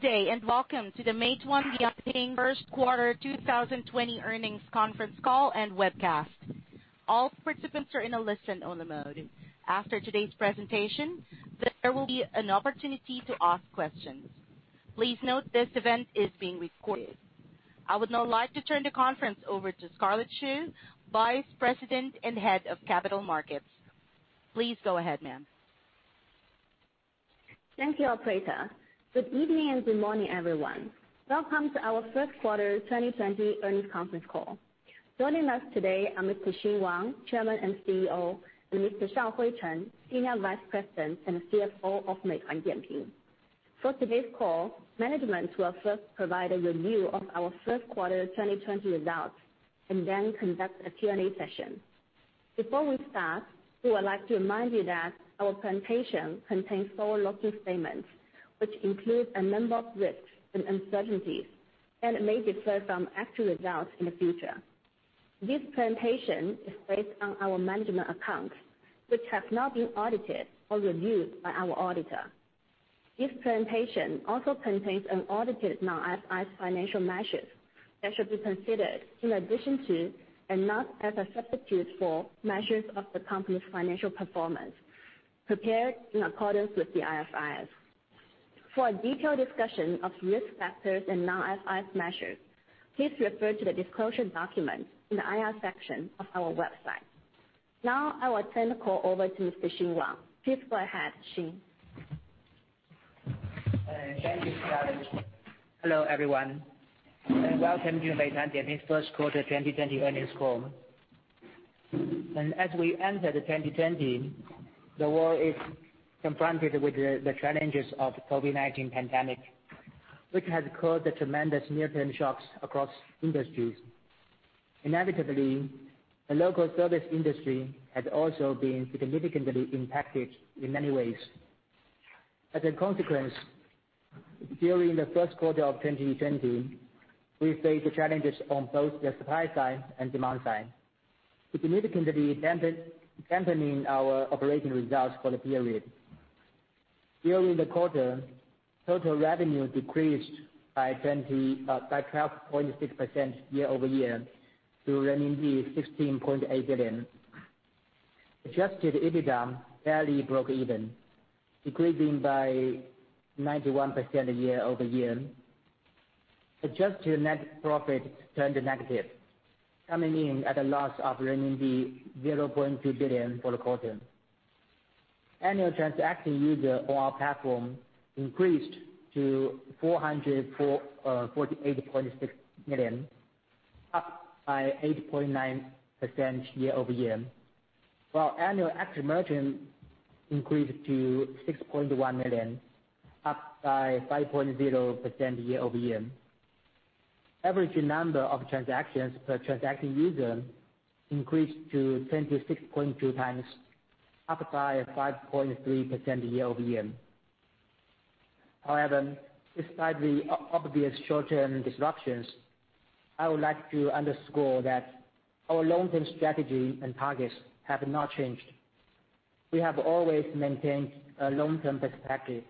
Good day and welcome to the Meituan Dianping Q1 2020 Earnings Conference Call and Webcast. All participants are in a listen-only mode. After today's presentation, there will be an opportunity to ask questions. Please note this event is being recorded. I would now like to turn the conference over to Scarlett Xu, VP and Head of Capital Markets. Please go ahead, ma'am. Thank you, Operator. Good evening and good morning, everyone. Welcome to our Q1 2020 Earnings Conference Call. Joining us today are Mr. Xing Wang, Chairman and CEO, and Mr. Shaohui Chen, SVP and CFO of Meituan Dianping. For today's call, management will first provide a review of our Q1 2020 results and then conduct a Q&A session. Before we start, we would like to remind you that our presentation contains forward-looking statements, which include a number of risks and uncertainties, and may differ from actual results in the future. This presentation is based on our management accounts, which have not been audited or reviewed by our auditor. This presentation also contains an audited non-IFRS financial measure that should be considered in addition to and not as a substitute for measures of the company's financial performance, prepared in accordance with the IFRS. For a detailed discussion of risk factors and non-IFRS measures, please refer to the disclosure document in the IR section of our website. Now, I will turn the call over to Mr. Xing Wang. Please go ahead, Xing. Thank you, Scarlett. Hello, everyone. Welcome to Meituan Dianping Q1 2020 Earnings Call. As we enter 2020, the world is confronted with the challenges of the COVID-19 pandemic, which has caused tremendous near-term shocks across industries. Inevitably, the local service industry has also been significantly impacted in many ways. As a consequence, during the Q1 of 2020, we faced challenges on both the supply side and demand side, significantly dampening our operating results for the period. During the quarter, total revenue decreased by 12.6% year-over-year to 16.8 billion. Adjusted EBITDA barely broke even, decreasing by 91% year-over-year. Adjusted net profit turned negative, coming in at a loss of 0.2 billion for the quarter. Annual Transacting User on our platform increased to 448.6 million, up by 8.9% year-over-year, while Annual Active Merchant increased to 6.1 million, up by 5.0% year-over-year. Average number of transactions per transaction user increased to 26.2 times, up by 5.3% year-over-year. However, despite the obvious short-term disruptions, I would like to underscore that our long-term strategy and targets have not changed. We have always maintained a long-term perspective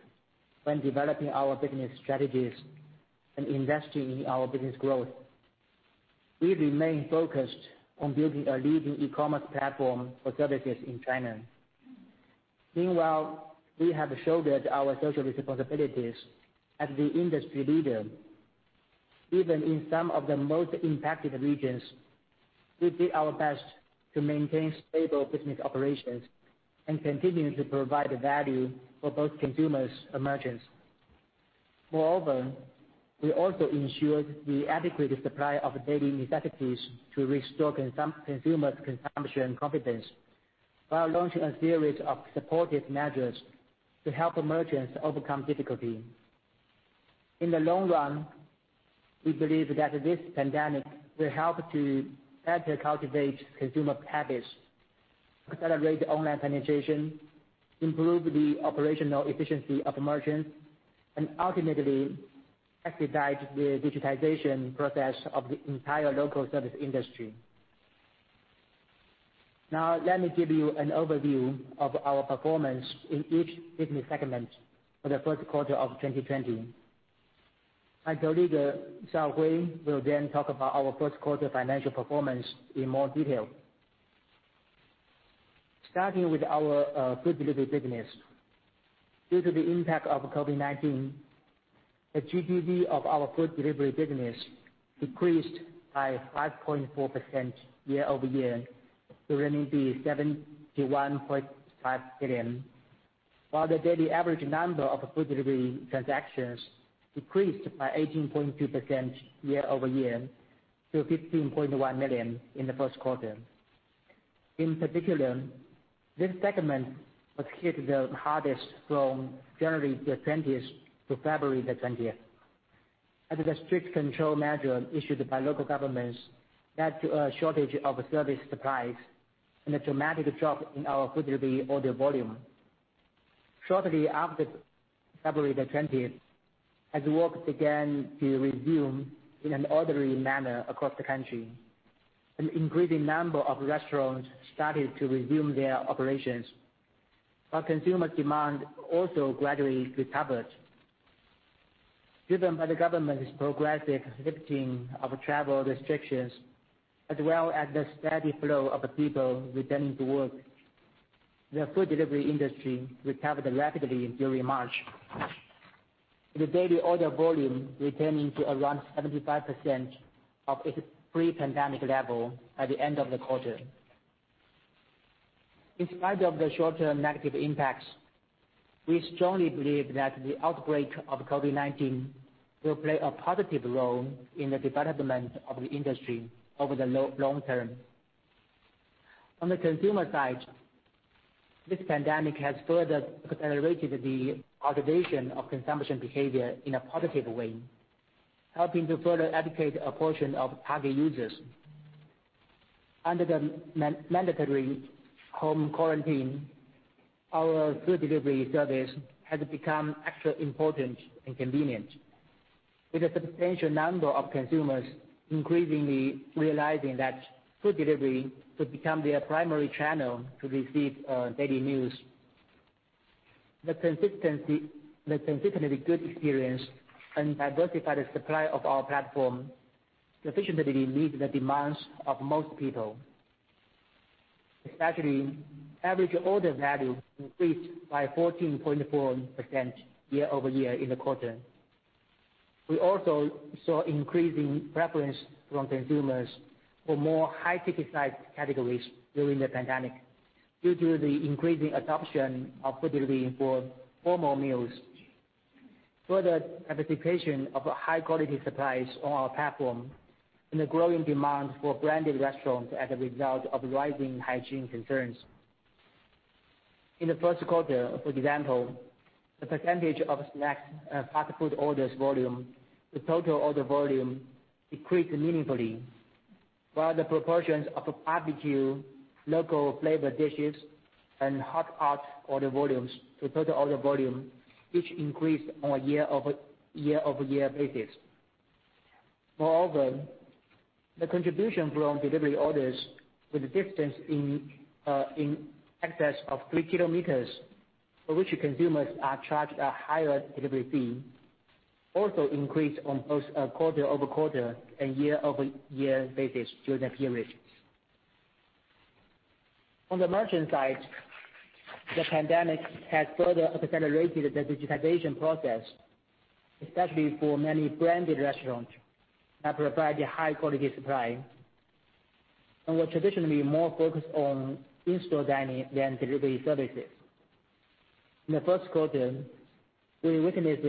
when developing our business strategies and investing in our business growth. We remain focused on building a leading e-commerce platform for services in China. Meanwhile, we have shouldered our social responsibilities as the industry leader. Even in some of the most impacted regions, we did our best to maintain stable business operations and continue to provide value for both consumers and merchants. Moreover, we also ensured the adequate supply of daily necessities to restore consumers' consumption confidence while launching a series of supportive measures to help merchants overcome difficulty. In the long run, we believe that this pandemic will help to better cultivate consumer habits, accelerate online penetration, improve the operational efficiency of merchants, and ultimately expedite the digitization process of the entire local service industry. Now, let me give you an overview of our performance in each business segment for the Q1 of 2020. My colleague, Shaohui, will then talk about our Q1 financial performance in more detail. Starting with our Food Delivery business, due to the impact of COVID-19, the GTV of our Food Delivery business decreased by 5.4% year-over-year to 71.5 billion, while the daily average number of food delivery transactions decreased by 18.2% year-over-year to 15.1 million in the Q1. In particular, this segment was hit the hardest from January the 20th to February the 20th, as the strict control measure issued by local governments led to a shortage of service supplies and a dramatic drop in our food delivery order volume. Shortly after February the 20th, as work began to resume in an ordinary manner across the country, an increasing number of restaurants started to resume their operations, while consumer demand also gradually recovered, driven by the government's progressive lifting of travel restrictions as well as the steady flow of people returning to work. The food delivery industry recovered rapidly during March, with the daily order volume returning to around 75% of its pre-pandemic level by the end of the quarter. In spite of the short-term negative impacts, we strongly believe that the outbreak of COVID-19 will play a positive role in the development of the industry over the long term. On the consumer side, this pandemic has further accelerated the cultivation of consumption behavior in a positive way, helping to further educate a portion of target users. Under the mandatory home quarantine, our Food Delivery service has become extra important and convenient, with a substantial number of consumers increasingly realizing that food delivery could become their primary channel to receive daily meals. The consistently good experience and diversified supply of our platform sufficiently meet the demands of most people, especially average order value increased by 14.4% year-over-year in the quarter. We also saw increasing preference from consumers for more high-ticket type categories during the pandemic due to the increasing adoption of food delivery for formal meals, further diversification of high-quality supplies on our platform, and the growing demand for branded restaurants as a result of rising hygiene concerns. In the Q1, for example, the percentage of snacks and fast food orders volume to total order volume decreased meaningfully, while the proportions of barbecue, local flavored dishes, and hot pot order volumes to total order volume each increased on a year-over-year basis. Moreover, the contribution from delivery orders with a distance in excess of 3km, for which consumers are charged a higher delivery fee, also increased on both quarter-over-quarter and year-over-year basis during that period. On the Merchant side, the pandemic has further accelerated the digitization process, especially for many branded restaurants that provide a high-quality supply and were traditionally more focused on In-Store Dining than Delivery services. In the Q1, we witnessed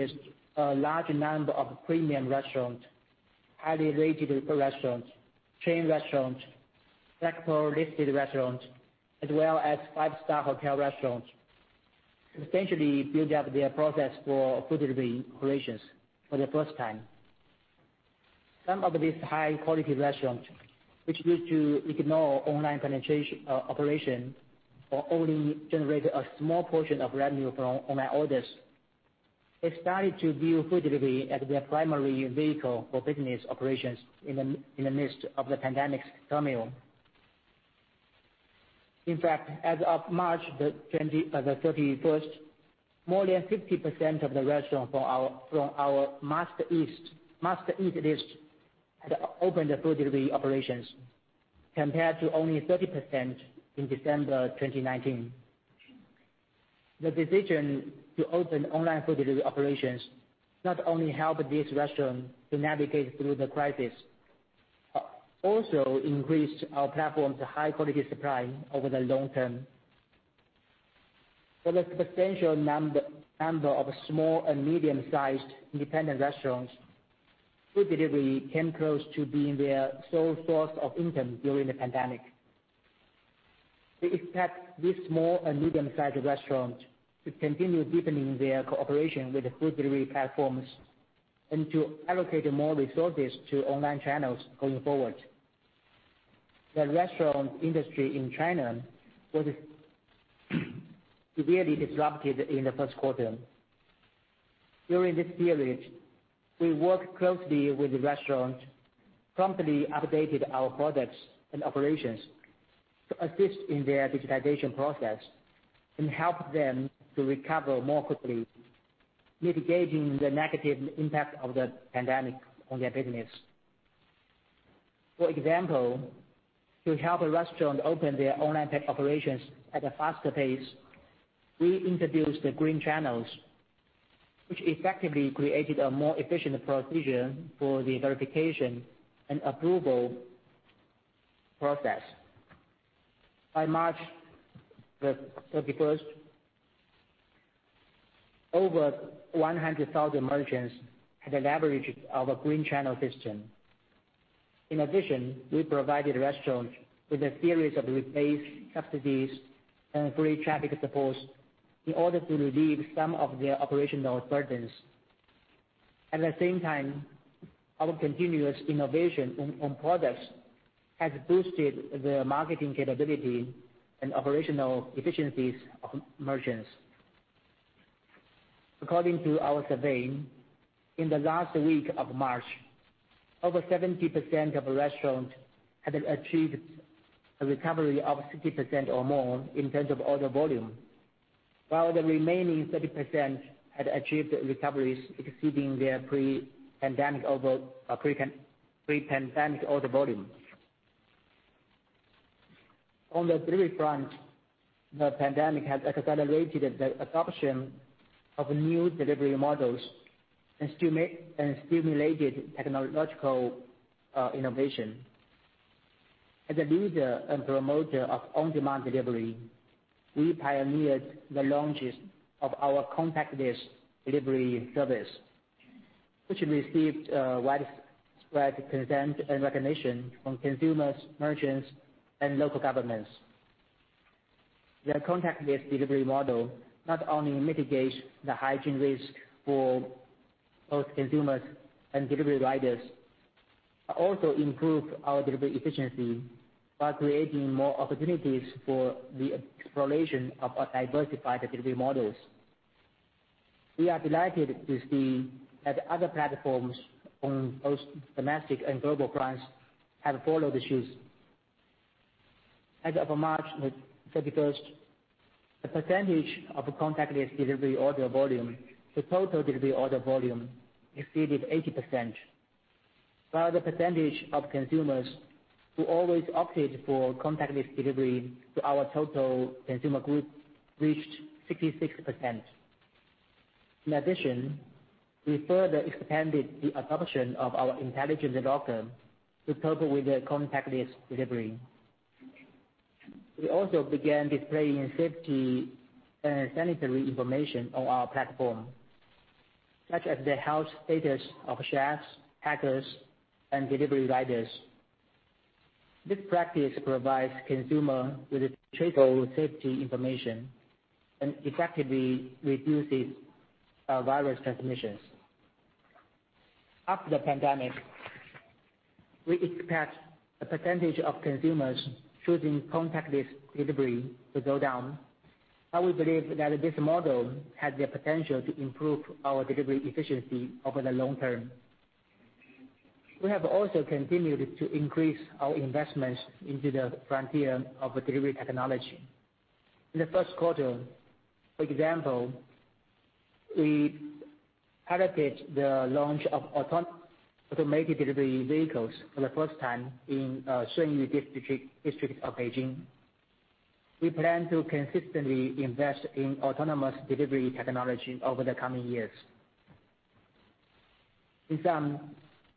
a large number of premium restaurants, highly rated food restaurants, chain restaurants, sector-listed restaurants, as well as five-star hotel restaurants, essentially build up their process for Food Delivery operations for the first time. Some of these high-quality restaurants, which used to ignore online penetration operations or only generate a small portion of revenue from online orders, have started to view food delivery as their primary vehicle for business operations in the midst of the pandemic's turmoil. In fact, as of March 31st, more than 50% of the restaurants from our must-eat list had opened Food Delivery operations, compared to only 30% in December 2019. The decision to open online Food Delivery operations not only helped these restaurants to navigate through the crisis, but also increased our platform's high-quality supply over the long term. For the substantial number of small and medium-sized independent restaurants, Food Delivery came close to being their sole source of income during the pandemic. We expect these small and medium-sized restaurants to continue deepening their cooperation with Food Delivery platforms and to allocate more resources to online channels going forward. The restaurant industry in China was severely disrupted in the Q1. During this period, we worked closely with the restaurants, promptly updated our products and operations to assist in their digitization process and help them to recover more quickly, mitigating the negative impact of the pandemic on their business. For example, to help a restaurant open their online operations at a faster pace, we introduced the Green Channels, which effectively created a more efficient procedure for the verification and approval process. By March the 31st, over 100,000 merchants had leveraged our Green Channel system. In addition, we provided restaurants with a series of replaced subsidies and free traffic supports in order to relieve some of their operational burdens. At the same time, our continuous innovation on products has boosted the marketing capability and operational efficiencies of merchants. According to our survey, in the last week of March, over 70% of restaurants had achieved a recovery of 60% or more in terms of order volume, while the remaining 30% had achieved recoveries exceeding their pre-pandemic order volume. On the Delivery front, the pandemic has accelerated the adoption of new delivery models and stimulated technological innovation. As a leader and promoter of On-Demand Delivery, we pioneered the launch of our contactless delivery service, which received widespread acclaim and recognition from consumers, merchants, and local governments. The contactless delivery model not only mitigates the hygiene risk for both consumers and delivery riders but also improves our delivery efficiency while creating more opportunities for the exploration of our diversified delivery models. We are delighted to see that other platforms on both domestic and global fronts have followed suit. As of March the 31st, the percentage of contactless delivery order volume to total delivery order volume exceeded 80%, while the percentage of consumers who always opted for contactless delivery to our total consumer group reached 66%. In addition, we further expanded the adoption of our Intelligent Locker to cope with contactless delivery. We also began displaying safety and sanitary information on our platform, such as the health status of chefs, packers, and delivery riders. This practice provides consumers with a traceable safety information and effectively reduces virus transmissions. After the pandemic, we expect the percentage of consumers choosing contactless delivery to go down, but we believe that this model has the potential to improve our delivery efficiency over the long term. We have also continued to increase our investments into the frontier of delivery technology. In the Q1, for example, we piloted the launch of Automated Delivery Vehicles for the first time in Shunyi District of Beijing. We plan to consistently invest in autonomous delivery technology over the coming years. In summary,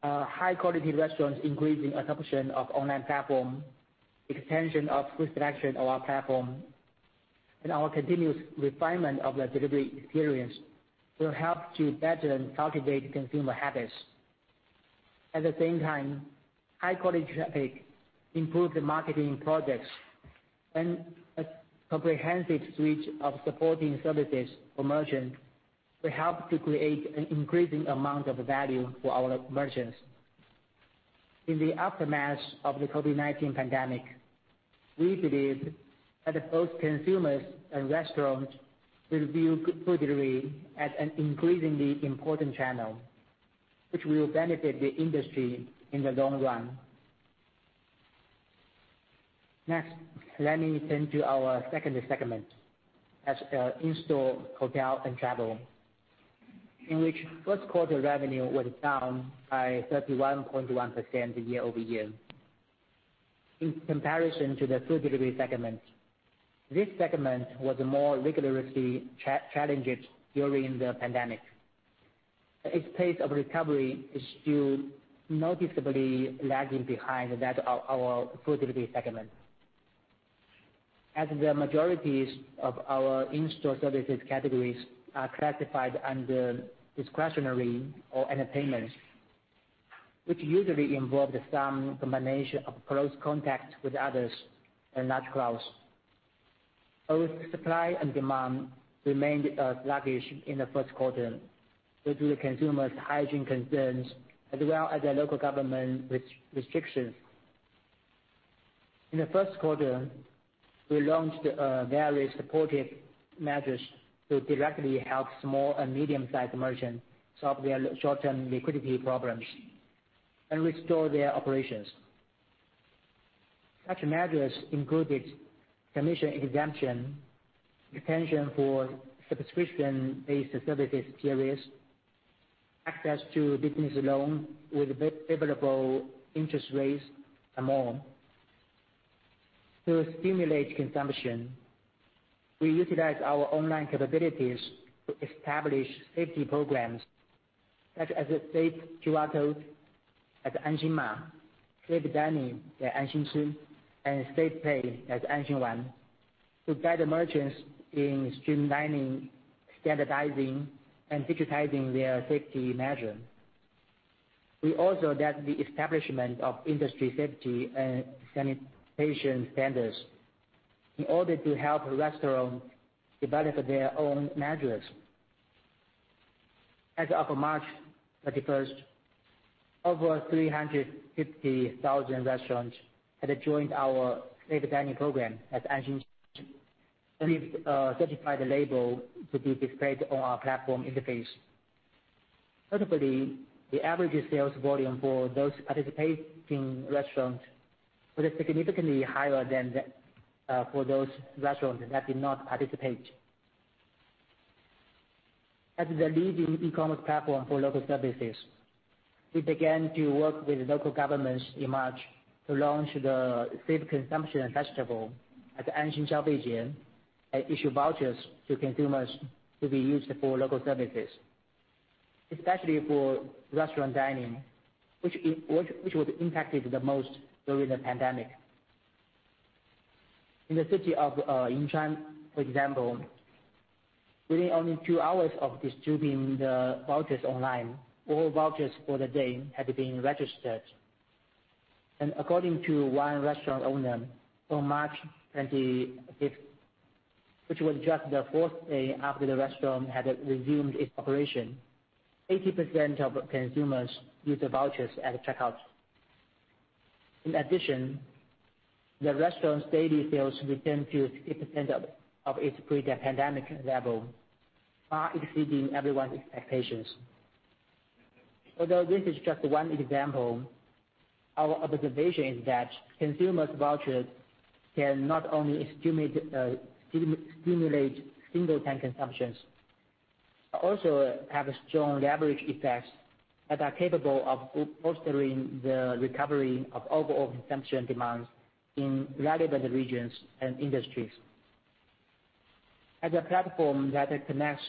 high-quality restaurants' increasing adoption of online platforms, extension of food selection on our platform, and our continuous refinement of the delivery experience will help to better and cultivate consumer habits. At the same time, high-quality traffic, improved marketing products, and a comprehensive suite of supporting services for merchants will help to create an increasing amount of value for our merchants. In the aftermath of the COVID-19 pandemic, we believe that both consumers and restaurants will view food delivery as an increasingly important channel, which will benefit the industry in the long run. Next, let me turn to our second segment, In-Store, Hotel and Travel, in which Q1 revenue was Fown by 31.1% year-over-year. In comparison to the Food Delivery segment, this segment was more rigorously challenged during the pandemic, but its pace of recovery is still noticeably lagging behind that of our food delivery segment. As the majority of our In-Store services categories are classified under Discretionary or Entertainment, which usually involves some combination of close contact with others and not close, both supply and demand remained sluggish in the Q1 due to the consumers' hygiene concerns as well as the local government restrictions. In the Q1, we launched various supportive measures to directly help small and medium-sized merchants solve their short-term liquidity problems and restore their operations. Such measures included commission exemption, extension for subscription-based services periods, access to business loans with favorable interest rates, and more. To stimulate consumption, we utilized our online capabilities to establish safety programs such as Safe QR Code at Anxin Ma, Safe Dining at Anxin Chi, and Safepay at Anxin Wan, to guide merchants in streamlining, standardizing, and digitizing their safety measures. We also led the establishment of industry safety and sanitation standards in order to help restaurants develop their own measures. As of March 31st, over 350,000 restaurants had joined our Safe Dining program at Anxinchun, and we certified the label to be displayed on our platform interface. Notably, the average sales volume for those participating restaurants was significantly higher than for those restaurants that did not participate. As the leading e-commerce platform for local services, we began to work with local governments in March to launch the Safe Consumption Festival at Anxin Can, Beijing, and issue vouchers to consumers to be used for local services, especially for restaurant dining, which was impacted the most during the pandemic. In the city of Yuncheng, for example, within only two hours of distributing the vouchers online, all vouchers for the day had been registered. According to one restaurant owner from March 25th, which was just the fourth day after the restaurant had resumed its operation, 80% of consumers used the vouchers at checkout. In addition, the restaurant's daily sales returned to 60% of its pre-pandemic level, far exceeding everyone's expectations. Although this is just one example, our observation is that consumers' vouchers can not only stimulate single-time consumptions but also have strong leverage effects that are capable of bolstering the recovery of overall consumption demands in relevant regions and industries. As a platform that connects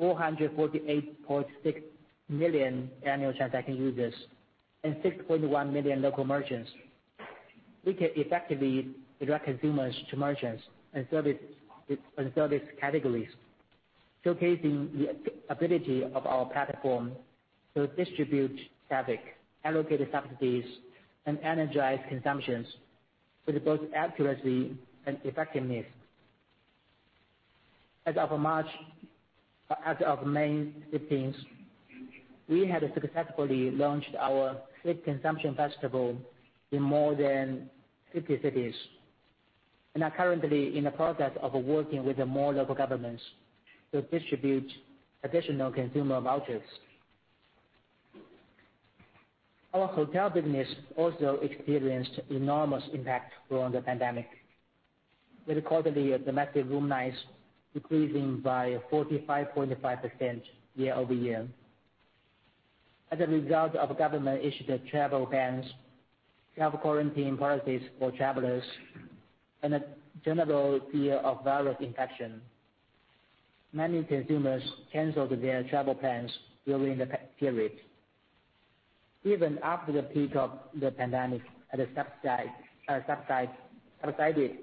448.6 million annual transaction users and 6.1 million local merchants, we can effectively direct consumers to merchants and service categories, showcasing the ability of our platform to distribute traffic, allocate subsidies, and energize consumptions with both accuracy and effectiveness. As of May 15th, we had successfully launched our Safe Consumption Festival in more than 50 cities and are currently in the process of working with more local governments to distribute additional consumer vouchers. Our Hotel business also experienced enormous impact during the pandemic, with quarterly domestic room nights decreasing by 45.5% year-over-year. As a result of government-issued travel bans, self-quarantine policies for travelers, and a general fear of virus infection, many consumers canceled their travel plans during the period. Even after the peak of the pandemic had subsided,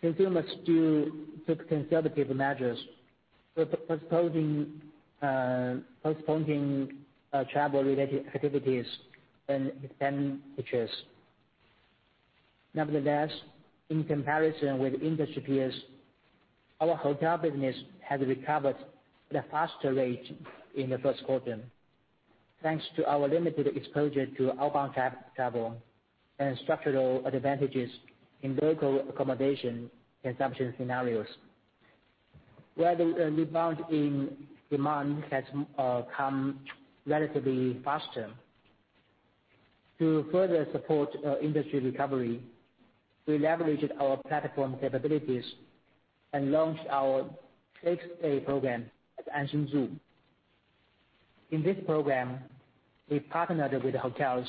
consumers still took conservative measures, postponing travel-related activities and expenditures. Nevertheless, in comparison with industry peers, our Hotel business has recovered at a faster rate in the Q1, thanks to our limited exposure to outbound travel and structural advantages in local accommodation consumption scenarios, where the rebound in demand has come relatively faster. To further support industry recovery, we leveraged our platform capabilities and launched our Safe Stay program at Anxin Zhu. In this program, we partnered with hotels,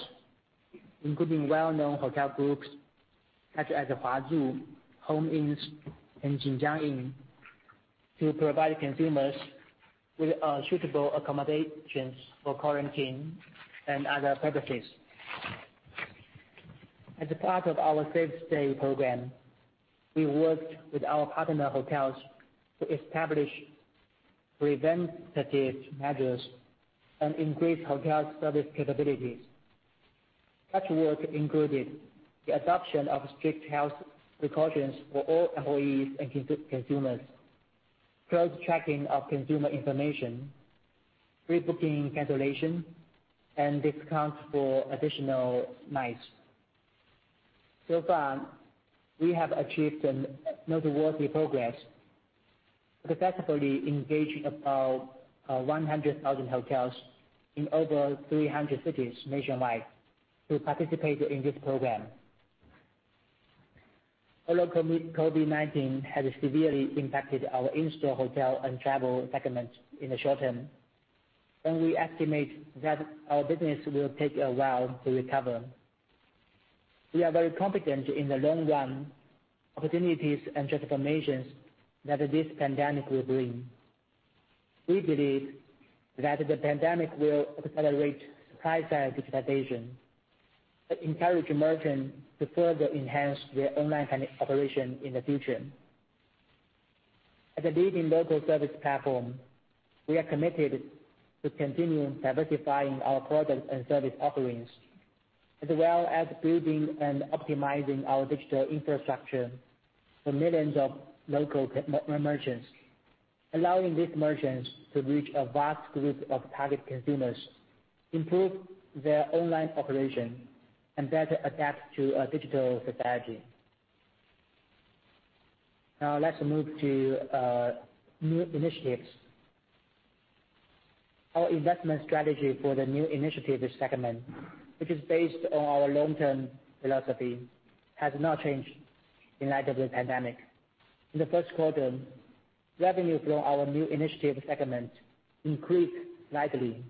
including well-known hotel groups such as Huazhu, Home Inn, and Jinjiang Inn, to provide consumers with suitable accommodations for quarantine and other purposes. As part of our Safe Stay program, we worked with our partner hotels to establish preventative measures and increase hotel service capabilities. Such work included the adoption of strict health precautions for all employees and consumers, close tracking of consumer information, pre-booking cancellation, and discounts for additional nights. So far, we have achieved noteworthy progress, successfully engaging about 100,000 hotels in over 300 cities nationwide to participate in this program. Although COVID-19 has severely impacted our In-Store Hotel and Travel segment in the short-term, and we estimate that our business will take a while to recover, we are very confident in the long-run opportunities and transformations that this pandemic will bring. We believe that the pandemic will accelerate supply-side digitization and encourage merchants to further enhance their online operation in the future. As a leading local service platform, we are committed to continuing diversifying our product and service offerings, as well as building and optimizing our digital infrastructure for millions of local merchants, allowing these merchants to reach a vast group of target consumers, improve their online operation, and better adapt to a digital society. Now, let's move to New Initiatives. Our investment strategy for the new initiative segment, which is based on our long-term philosophy, has not changed in light of the pandemic. In the Q1, revenue from our new initiative segment increased slightly,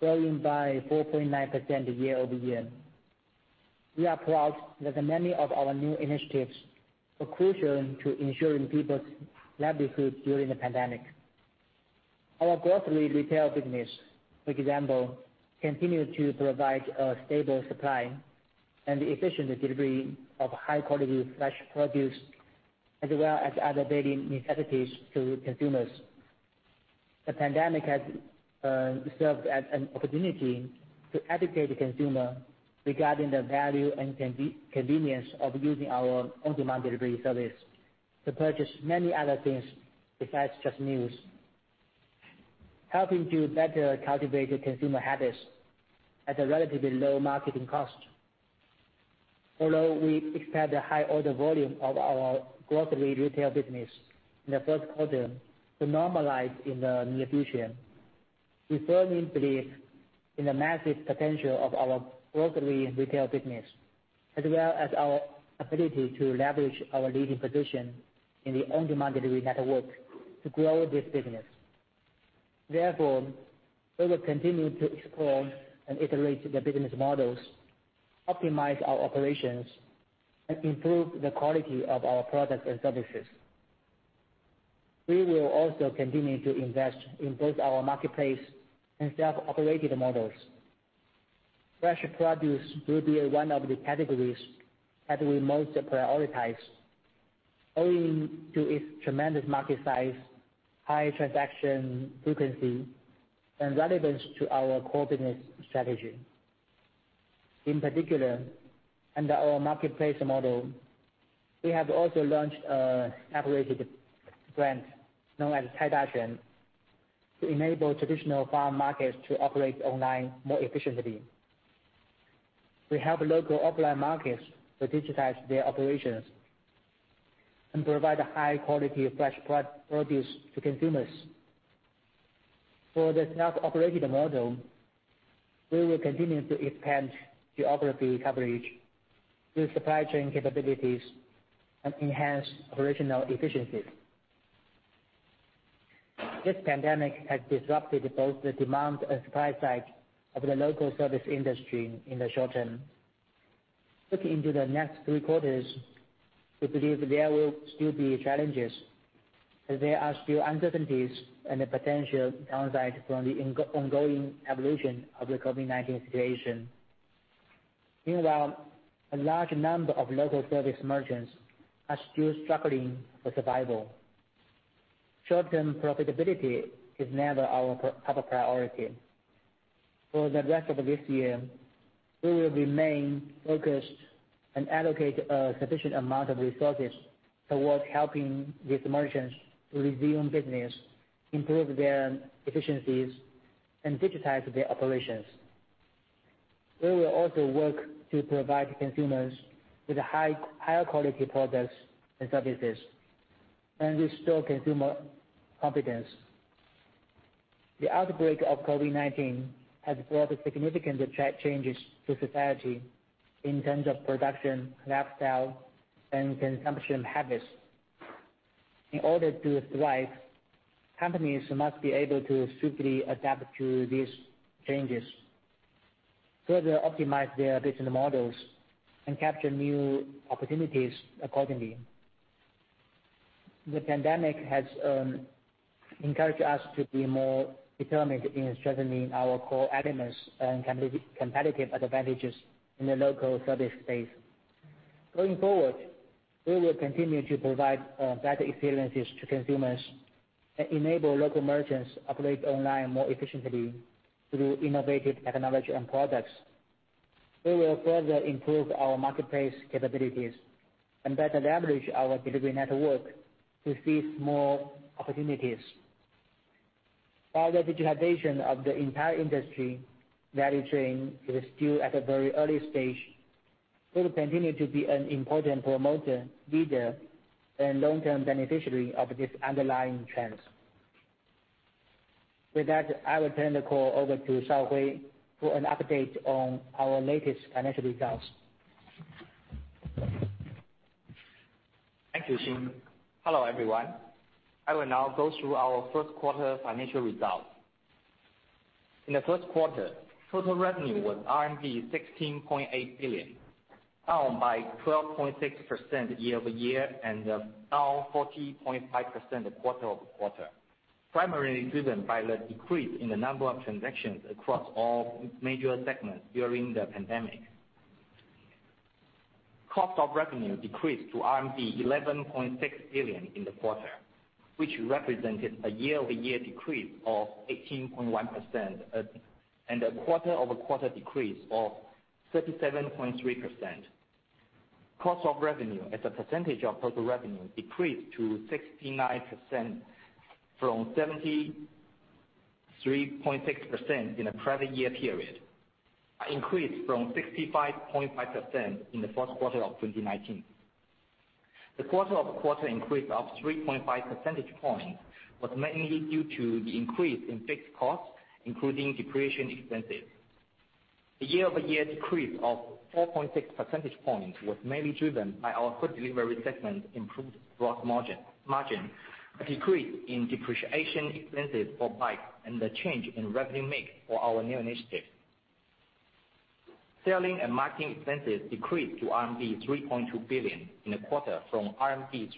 growing by 4.9% year-over-year. We are proud that many of our New Initiatives were crucial to ensuring people's livelihoods during the pandemic. Our grocery retail business, for example, continued to provide a stable supply and efficient delivery of high-quality fresh produce, as well as other daily necessities to consumers. The pandemic has served as an opportunity to educate consumers regarding the value and convenience of using our on-demand delivery service to purchase many other things besides just meals, helping to better cultivate consumer habits at a relatively low marketing cost. Although we expect a high order volume of our Grocery Retail business in the Q1 to normalize in the near future, we firmly believe in the massive potential of our Grocery Retail business, as well as our ability to leverage our leading position in the On-Demand Delivery network to grow this business. Therefore, we will continue to explore and iterate the business models, optimize our operations, and improve the quality of our products and services. We will also continue to invest in both our marketplace and self-operated models. Fresh Produce will be one of the categories that we most prioritize, owing to its tremendous market size, high transaction frequency, and relevance to our core business strategy. In particular, under our marketplace model, we have also launched a separated brand known as Caidaquan to enable traditional farm markets to operate online more efficiently. We help local offline markets to digitize their operations and provide high-quality fresh produce to consumers. For the self-operated model, we will continue to expand geography coverage through supply chain capabilities and enhance operational efficiencies. This pandemic has disrupted both the demand and supply side of the local service industry in the short-term. Looking into the next three quarters, we believe there will still be challenges, as there are still uncertainties and the potential downside from the ongoing evolution of the COVID-19 situation. Meanwhile, a large number of local service merchants are still struggling for survival. Short-term profitability is never our top priority. For the rest of this year, we will remain focused and allocate a sufficient amount of resources towards helping these merchants to resume business, improve their efficiencies, and digitize their operations. We will also work to provide consumers with higher quality products and services and restore consumer confidence. The outbreak of COVID-19 has brought significant changes to society in terms of production, lifestyle, and consumption habits. In order to thrive, companies must be able to swiftly adapt to these changes, further optimize their business models, and capture new opportunities accordingly. The pandemic has encouraged us to be more determined in strengthening our core elements and competitive advantages in the local service space. Going forward, we will continue to provide better experiences to consumers and enable local merchants to operate online more efficiently through innovative technology and products. We will further improve our marketplace capabilities and better leverage our delivery network to seize more opportunities. While the digitization of the entire industry value chain is still at a very early stage, we will continue to be an important promoter, leader, and long-term beneficiary of these underlying trends. With that, I will turn the call over to Shaohui for an update on our latest financial results. Thank you, Xing. Hello, everyone. I will now go through our Q1 financial results. In the Q1, total revenue was RMB 16.8 billion, down by 12.6% year-over-year and down 40.5% quarter-over-quarter, primarily driven by the decrease in the number of transactions across all major segments during the pandemic. Cost of revenue decreased to RMB 11.6 billion in the quarter, which represented a year-over-year decrease of 18.1% and a quarter-over-quarter decrease of 37.3%. Cost of revenue, as a percentage of total revenue, decreased to 69% from 73.6% in the prior year period, an increase from 65.5% in the Q1 of 2019. The quarter-over-quarter increase of 3.5 percentage points was mainly due to the increase in fixed costs, including depreciation expenses. The year-over-year decrease of 4.6 percentage points was mainly driven by our food delivery segment's improved gross margin, a decrease in depreciation expenses for bikes, and the change in revenue mix for our new initiative. Selling and marketing expenses decreased to RMB 3.2 billion in the quarter from RMB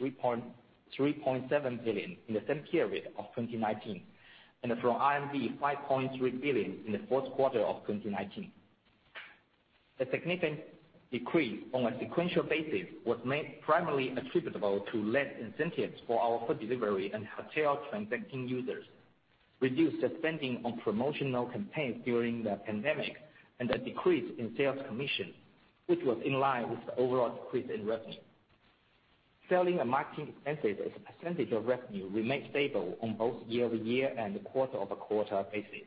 3.7 billion in the same period of 2019 and from RMB 5.3 billion in the Q4 of 2019. The significant decrease on a sequential basis was primarily attributable to less incentives for our food delivery and hotel transacting users, reduced spending on promotional campaigns during the pandemic, and a decrease in sales commission, which was in line with the overall decrease in revenue. Selling and marketing expenses as a percentage of revenue remained stable on both year-over-year and quarter-over-quarter basis.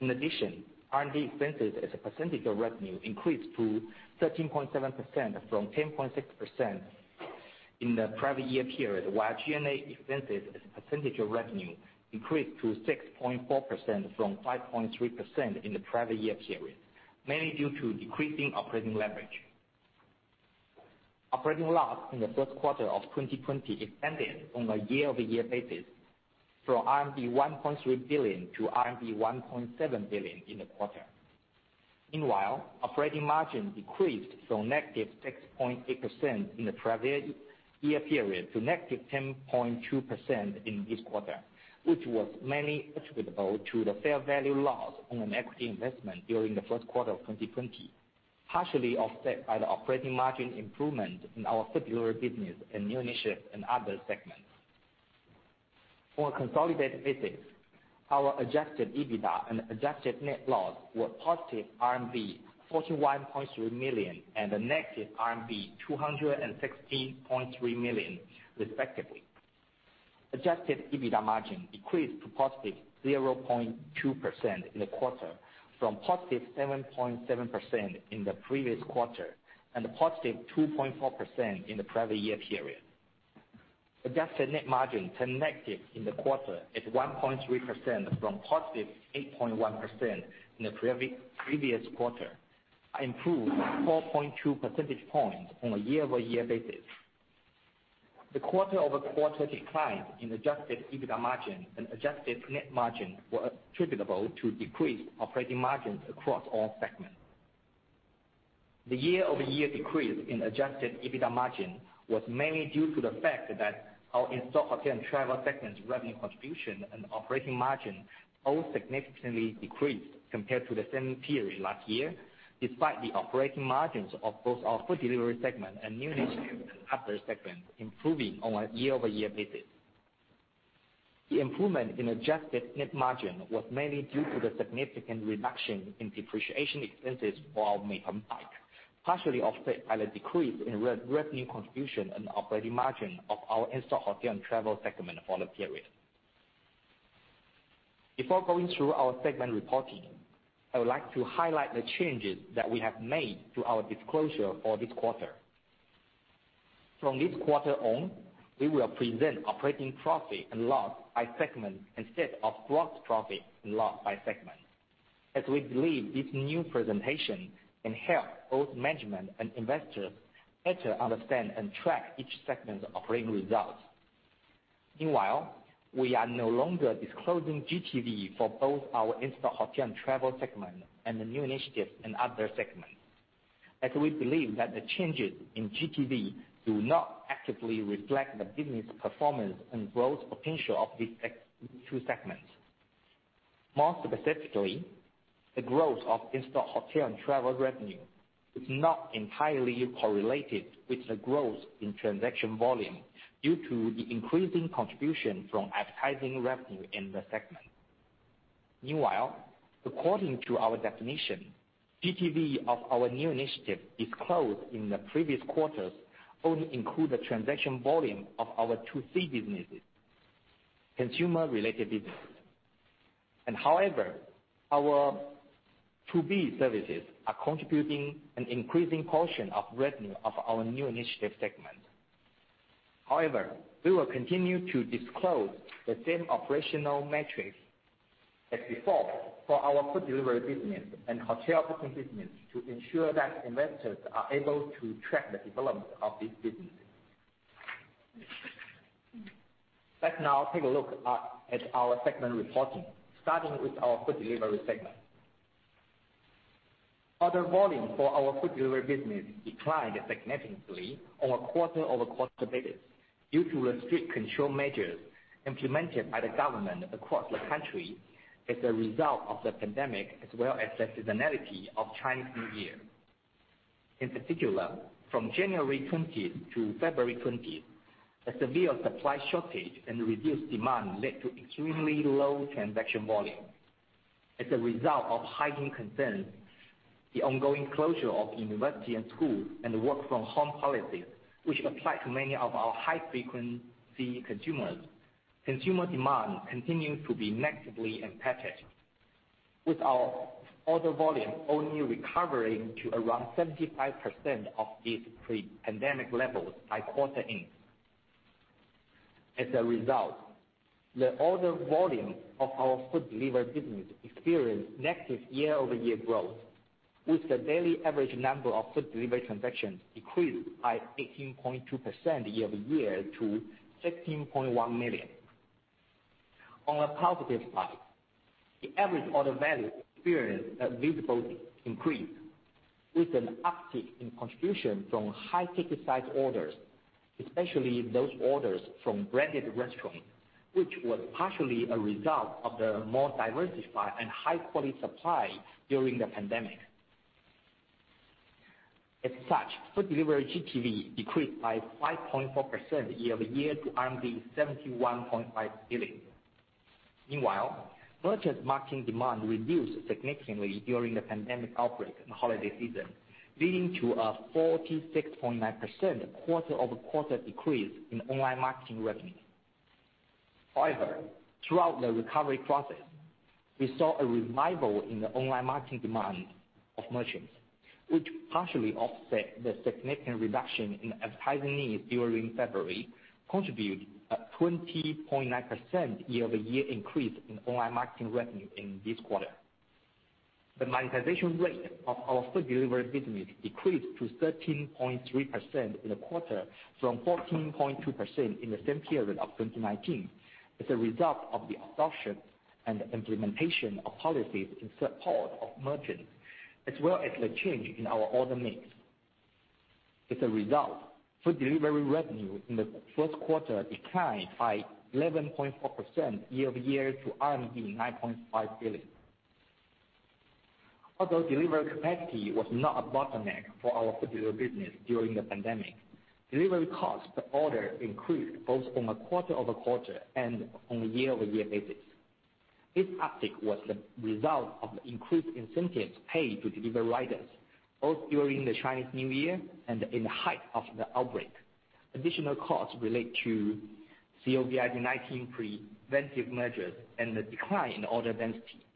In addition, R&D expenses as a percentage of revenue increased to 13.7% from 10.6% in the prior year period, while G&A expenses as a percentage of revenue increased to 6.4% from 5.3% in the prior year period, mainly due to decreasing operating leverage. Operating loss in the Q1 of 2020 expanded on a year-over-year basis from 1.3 billion-1.7 billion RMB in the quarter. Meanwhile, operating margin decreased from negative 6.8% in the prior year period to negative 10.2% in this quarter, which was mainly attributable to the fair value loss on an equity investment during the Q1 of 2020, partially offset by the operating margin improvement in our Food Delivery business and New Initiatives and other segments. For consolidated business, our adjusted EBITDA and adjusted net loss were positive RMB 41.3 million and negative RMB 216.3 million, respectively. Adjusted EBITDA margin decreased to positive 0.2% in the quarter from +7.7% in the previous quarter and +2.4% in the prior year period. Adjusted net margin turned negative in the quarter at 1.3% from +8.1% in the previous quarter, improved 4.2 percentage points on a year-over-year basis. The quarter-over-quarter decline in adjusted EBITDA margin and adjusted net margin were attributable to decreased operating margins across all segments. The year-over-year decrease in adjusted EBITDA margin was mainly due to the fact that our In-Store Hotel and Travel segments' revenue contribution and operating margin both significantly decreased compared to the same period last year, despite the operating margins of both our food delivery segment and New Initiatives and other segments improving on a year-over-year basis. The improvement in adjusted net margin was mainly due to the significant reduction in depreciation expenses for our Mobike, partially offset by the decrease in revenue contribution and operating margin of our In-Store Hotel and Travel segment for the period. Before going through our segment reporting, I would like to highlight the changes that we have made to our disclosure for this quarter. From this quarter on, we will present operating profit and loss by segment instead of gross profit and loss by segment, as we believe this new presentation can help both management and investors better understand and track each segment's operating results. Meanwhile, we are no longer disclosing GTV for both our In-Store Hotel and Travel segment and the New Initiatives and Other segments, as we believe that the changes in GTV do not actively reflect the business performance and growth potential of these two segments. More specifically, the growth of In-Store Hotel and Travel revenue is not entirely correlated with the growth in transaction volume due to the increasing contribution from advertising revenue in the segment. Meanwhile, according to our definition, GTV of our new initiative disclosed in the previous quarters only included transaction volume of our 2C businesses, consumer-related businesses. However, our 2B services are contributing an increasing portion of revenue of our new initiative segment. However, we will continue to disclose the same operational metrics as before for our Food Delivery business and Hotel Booking business to ensure that investors are able to track the development of these businesses. Let's now take a look at our segment reporting, starting with our Food Delivery segment. Order volume for our Food Delivery business declined significantly on a quarter-over-quarter basis due to the strict control measures implemented by the government across the country as a result of the pandemic, as well as the seasonality of Chinese New Year. In particular, from January 20 to February 20, a severe supply shortage and reduced demand led to extremely low transaction volume. As a result of heightened concerns, the ongoing closure of university and schools and work-from-home policies, which apply to many of our high-frequency consumers, consumer demand continues to be negatively impacted, with our order volume only recovering to around 75% of its pre-pandemic levels by quarter end. As a result, the order volume of our Food Delivery business experienced negative year-over-year growth, with the daily average number of food delivery transactions decreased by 18.2% year-over-year to 16.1 million. On a positive side, the average order value experienced a visible increase, with an uptick in contribution from high-ticket size orders, especially those orders from branded restaurants, which was partially a result of the more diversified and high-quality supply during the pandemic. As such, Food Delivery GTV decreased by 5.4% year-over-year to 71.5 billion. Meanwhile, merchants' marketing demand reduced significantly during the pandemic outbreak and holiday season, leading to a 46.9% quarter-over-quarter decrease in online marketing revenue. However, throughout the recovery process, we saw a revival in the online marketing demand of merchants, which partially offset the significant reduction in advertising needs during February, contributing to a 20.9% year-over-year increase in online marketing revenue in this quarter. The monetization rate of our Food Delivery business decreased to 13.3% in the quarter from 14.2% in the same period of 2019, as a result of the adoption and implementation of policies in support of merchants, as well as the change in our order mix. As a result, Food Delivery revenue in the Q1 declined by 11.4% year-over-year to CNY 9.5 billion. Although delivery capacity was not a bottleneck for our Food Delivery business during the pandemic, delivery costs per order increased both on a quarter-over-quarter and on a year-over-year basis. This uptick was the result of the increased incentives paid to delivery riders both during the Chinese New Year and in the height of the outbreak. Additional costs relate to COVID-19 preventive measures and the decline in order density.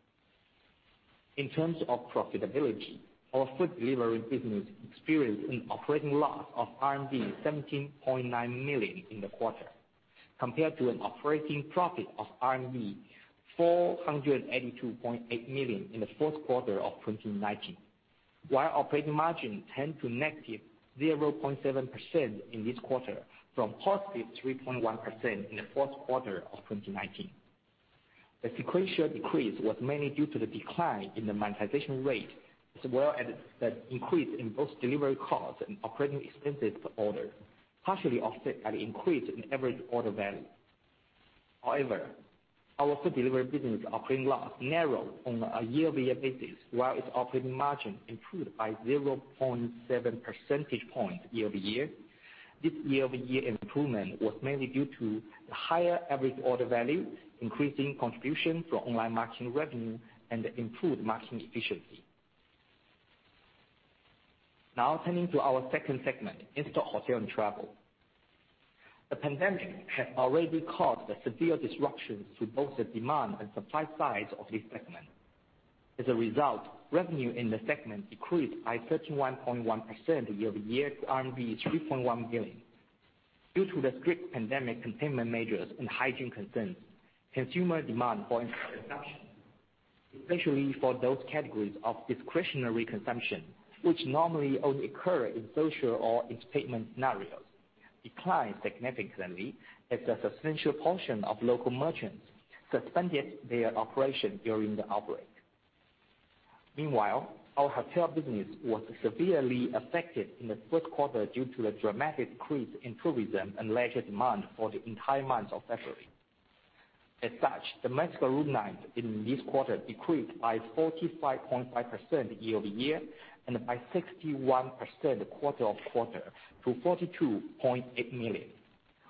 In terms of profitability, our Food Delivery business experienced an operating loss of RMB 17.9 million in the quarter, compared to an operating profit of RMB 482.8 million in the Q4 of 2019, while operating margin turned to negative 0.7% in this quarter from positive 3.1% in the Q4 of 2019. The sequential decrease was mainly due to the decline in the monetization rate, as well as the increase in both delivery costs and operating expenses per order, partially offset by the increase in average order value. However, our Food Delivery business operating loss narrowed on a year-over-year basis, while its operating margin improved by 0.7 percentage points year-over-year. This year-over-year improvement was mainly due to the higher average order value, increasing contribution from online marketing revenue, and improved marketing efficiency. Now, turning to our second segment, In-Store Hotel and Travel, the pandemic has already caused severe disruptions to both the demand and supply sides of this segment. As a result, revenue in the segment decreased by 31.1% year-over-year to RMB 3.1 billion. Due to the strict pandemic containment measures and hygiene concerns, consumer demand for In-Store consumption, especially for those categories of discretionary consumption, which normally only occur in social or entertainment scenarios, declined significantly, as a substantial portion of local merchants suspended their operation during the outbreak. Meanwhile, our Hotel business was severely affected in the Q1 due to the dramatic increase in tourism and leisure demand for the entire month of February. As such, domestic room nights in this quarter decreased by 45.5% year-over-year and by 61% quarter-over-quarter to 42.8 million,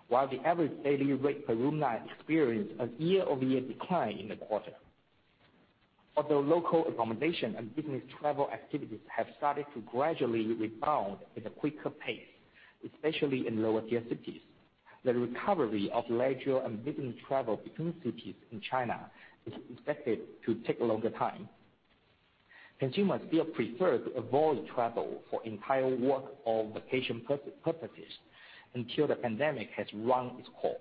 while the average daily rate per room night experienced a year-over-year decline in the quarter. Although local accommodation and business travel activities have started to gradually rebound at a quicker pace, especially in lower-tier cities, the recovery of leisure and business travel between cities in China is expected to take a longer time. Consumers still prefer to avoid travel for entire work or vacation purposes until the pandemic has run its course.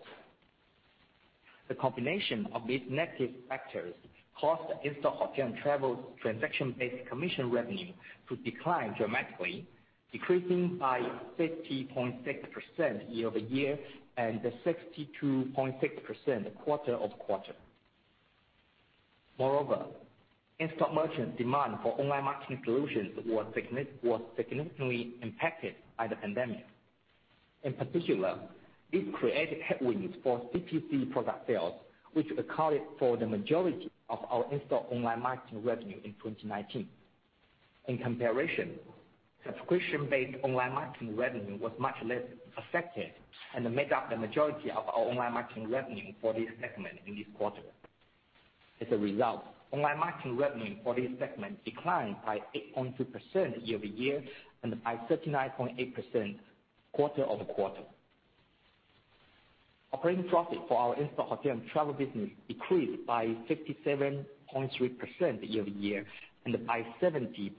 The combination of these negative factors caused In-Store Hotel and Travel transaction-based commission revenue to decline dramatically, decreasing by 50.6% year-over-year and 62.6% quarter-over-quarter. Moreover, In-Store merchants' demand for online marketing solutions was significantly impacted by the pandemic. In particular, this created headwinds for CPC product sales, which accounted for the majority of our In-Store online marketing revenue in 2019. In comparison, Subscription-Based online marketing revenue was much less affected and made up the majority of our online marketing revenue for this segment in this quarter. As a result, online marketing revenue for this segment declined by 8.2% year-over-year and by 39.8% quarter-over-quarter. Operating profit for our In-Store Hotel and Travel business decreased by 57.3% year-over-year and by 70.8%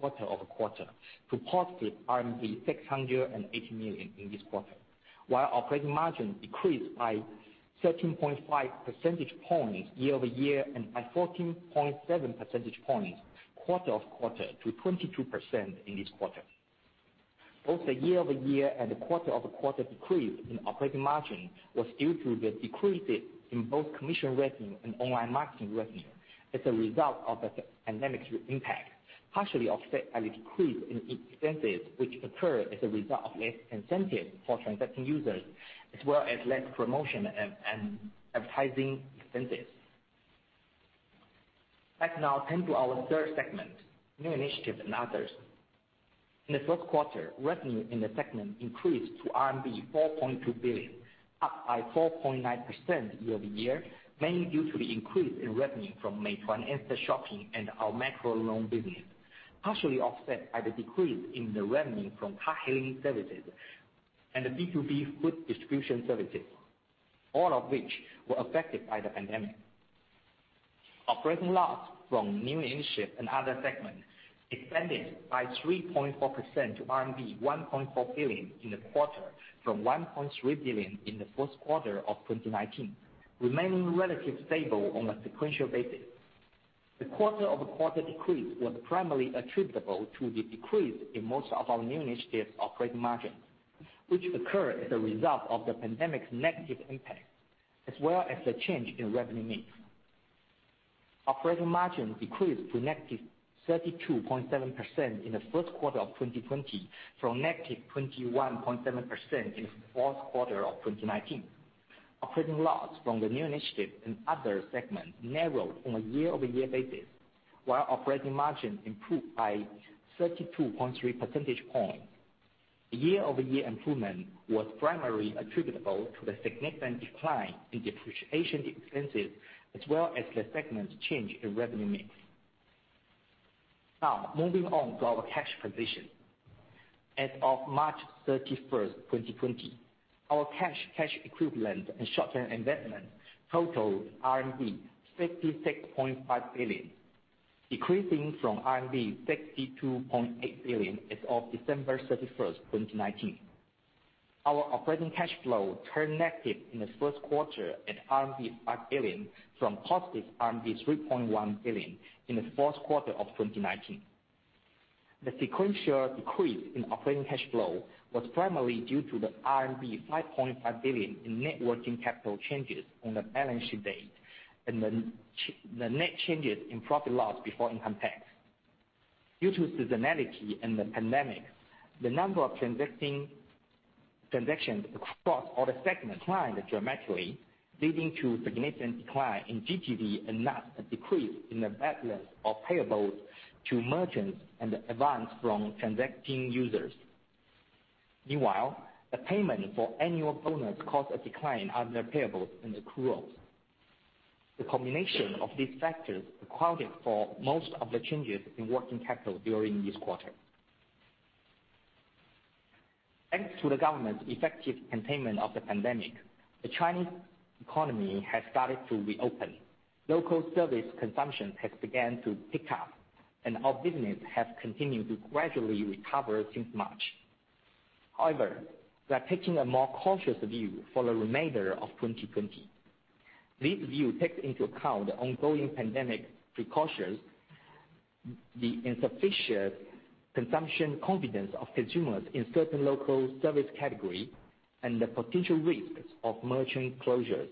quarter-over-quarter to positive 680 million in this quarter, while operating margin decreased by 13.5 percentage points year-over-year and by 14.7 percentage points quarter-over-quarter to 22% in this quarter. Both the year-over-year and the quarter-over-quarter decrease in operating margin was due to the decrease in both commission revenue and online marketing revenue as a result of the pandemic's impact, partially offset by the decrease in expenses which occurred as a result of less incentives for transacting users, as well as less promotion and advertising expenses. Let's now turn to our third New Initiatives and Others. in the Q1, revenue in the segment increased to RMB 4.2 billion, up by 4.9% year-over-year, mainly due to the increase in revenue from Meituan Instashopping. The Shopping and our Macro Loan business, partially offset by the decrease in the revenue from Car-hailing services and B2B food distribution services, all of which were affected by the pandemic. Operating loss from New Initiatives and other segments expanded by 3.4% to RMB 1.4 billion in the quarter from 1.3 billion in the Q1 of 2019, remaining relatively stable on a sequential basis. The quarter-over-quarter decrease was primarily attributable to the decrease in most of our New Initiatives' operating margins, which occurred as a result of the pandemic's negative impact, as well as the change in revenue mix. Operating margin decreased to negative 32.7% in the Q1 of 2020 from negative 21.7% in the Q4 of 2019. Operating loss from the New Initiatives and Other segments narrowed on a year-over-year basis, while operating margin improved by 32.3 percentage points. Year-over-year improvement was primarily attributable to the significant decline in depreciation expenses, as well as the segment's change in revenue mix. Now, moving on to our cash position. As of March 31, 2020, our cash and cash equivalents and short-term investments totaled RMB 56.5 billion, decreasing from RMB 62.8 billion as of December 31st, 2019. Our operating cash flow turned negative in the Q1 at RMB 5 billion from positive RMB 3.1 billion in the Q4 of 2019. The sequential decrease in operating cash flow was primarily due to the RMB 5.5 billion in net working capital changes on the balance sheet date and the net changes in profit or loss before income tax. Due to seasonality and the pandemic, the number of transactions across all the segments declined dramatically, leading to a significant decline in GTV and not a decrease in the balance of payables to merchants and the advance from transacting users. Meanwhile, the payment for annual bonus caused a decline under payables and accruals. The combination of these factors accounted for most of the changes in working capital during this quarter. Thanks to the government's effective containment of the pandemic, the Chinese economy has started to reopen. Local service consumption has begun to pick up, and our business has continued to gradually recover since March. However, we are taking a more cautious view for the remainder of 2020. This view takes into account the ongoing pandemic precautions, the insufficient consumption confidence of consumers in certain local service categories, and the potential risks of merchant closures,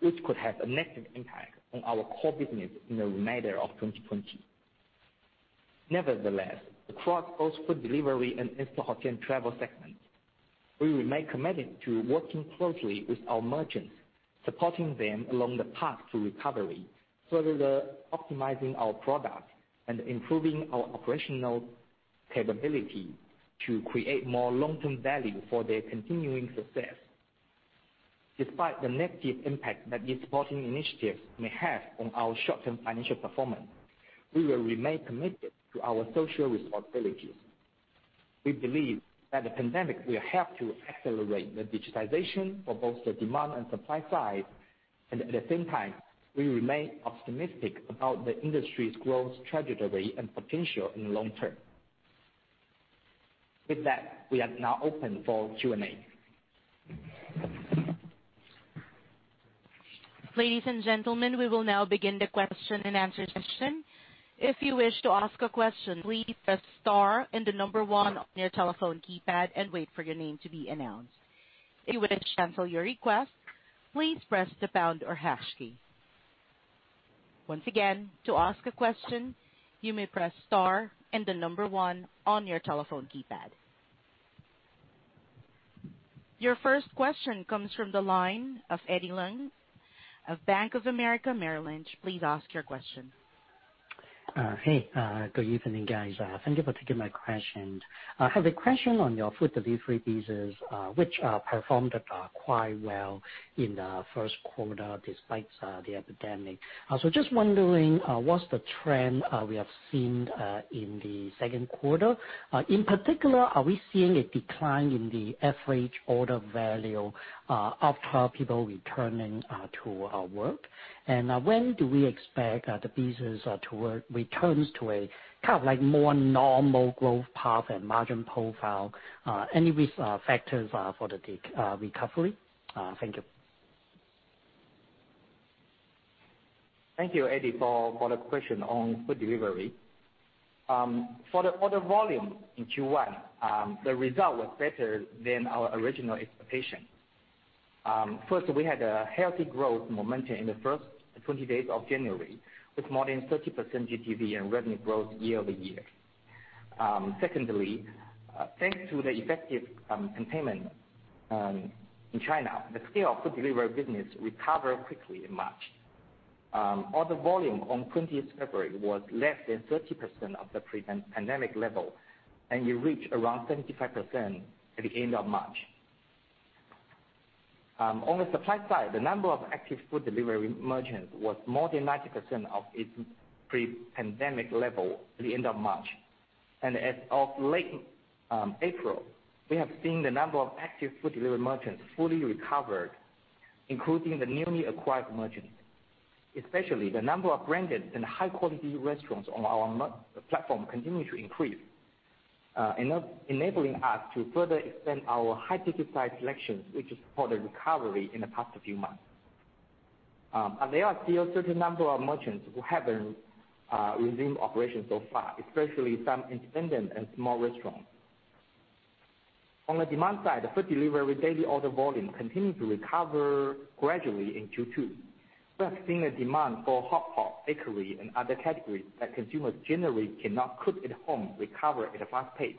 which could have a negative impact on our core business in the remainder of 2020. Nevertheless, across both food delivery and In-Store Hotel and Travel segments, we remain committed to working closely with our merchants, supporting them along the path to recovery further, optimizing our products and improving our operational capability to create more long-term value for their continuing success. Despite the negative impact that these supporting initiatives may have on our short-term financial performance, we will remain committed to our social responsibilities. We believe that the pandemic will help to accelerate the digitization for both the demand and supply sides, and at the same time, we remain optimistic about the industry's growth trajectory and potential in the long term. With that, we are now open for Q&A. Ladies and gentlemen, we will now begin the question and answer session. If you wish to ask a question, please press star and the number one on your telephone keypad and wait for your name to be announced. If you wish to cancel your request, please press the pound or hash key. Once again, to ask a question, you may press star and the number one on your telephone keypad. Your first question comes from the line of Eddie Leung of Bank of America Merrill Lynch. Please ask your question. Hey, good evening, guys. Thank you for taking my question. I have a question on your Food Delivery business, which performed quite well in the Q1 despite the epidemic. So just wondering, what's the trend we have seen in the Q2? In particular, are we seeing a decline in the average order value of people returning to work? And when do we expect the business to return to a kind of more normal growth path and margin profile? Any factors for the recovery? Thank you. Thank you, Eddie, for the question on food delivery. For the order volume in Q1, the result was better than our original expectation. First, we had a healthy growth momentum in the first 20 days of January, with more than 30% GTV and revenue growth year-over-year. Secondly, thanks to the effective containment in China, the scale of Food Delivery business recovered quickly in March. Order volume on 20th February was less than 30% of the pre-pandemic level, and it reached around 75% at the end of March. On the supply side, the number of active food delivery merchants was more than 90% of its pre-pandemic level at the end of March, and as of late April, we have seen the number of active food delivery merchants fully recovered, including the newly acquired merchants, especially the number of branded and high-quality restaurants on our platform continues to increase, enabling us to further extend our high-ticket side selections, which is for the recovery in the past few months. There are still a certain number of merchants who haven't resumed operations so far, especially some independent and small restaurants. On the demand side, the food delivery daily order volume continues to recover gradually in Q2. We have seen a demand for hotpot, bakery, and other categories that consumers generally cannot cook at home recover at a fast pace.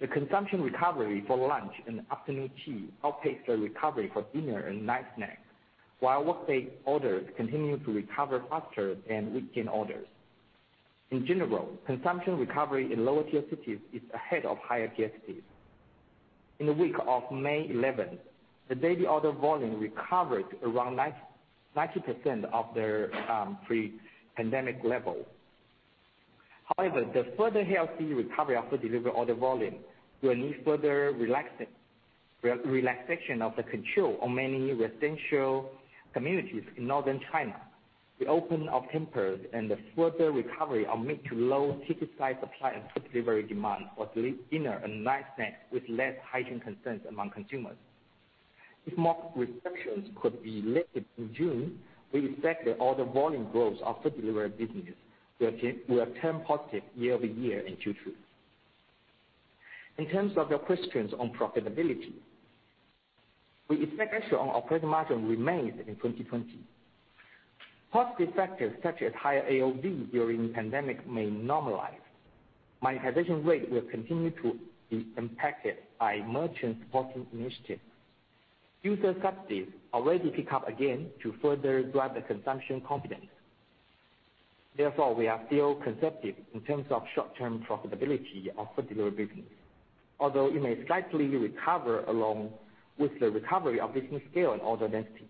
The consumption recovery for lunch and afternoon tea outpaced the recovery for dinner and night snack, while workday orders continue to recover faster than weekend orders. In general, consumption recovery in lower-tier cities is ahead of higher-tier cities. In the week of May 11, the daily order volume recovered around 90% of the pre-pandemic level. However, the further healthy recovery of food delivery order volume will need further relaxation of the control on many residential communities in northern China, the opening of temples and the further recovery of mid to low-ticket side supply and food delivery demand for dinner and night snack with less hygiene concerns among consumers. If more restrictions could be lifted in June, we expect the order volume growth of Food Delivery business will turn positive year-over-year in Q2. In terms of your questions on profitability, we expect pressure on operating margin remains in 2020. Positive factors such as higher AOV during the pandemic may normalize. Monetization rate will continue to be impacted by merchants supporting initiatives. User subsidies already pick up again to further drive the consumption confidence. Therefore, we are still conservative in terms of short-term profitability of Food Delivery business, although it may slightly recover along with the recovery of business scale and order density.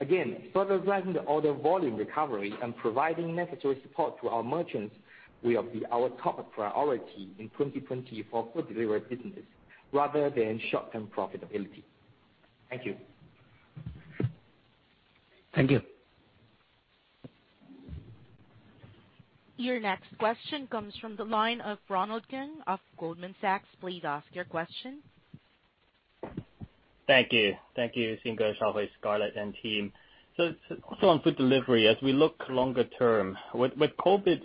Again, further driving the order volume recovery and providing necessary support to our merchants will be our top priority in 2020 for Food Delivery business rather than short-term profitability. Thank you. Thank you. Your next question comes from the line of Ronald Keung of Goldman Sachs. Please ask your question. Thank you. Thank you, Xing, Shaohui, Scarlett, and team. So on food delivery, as we look longer term, with COVID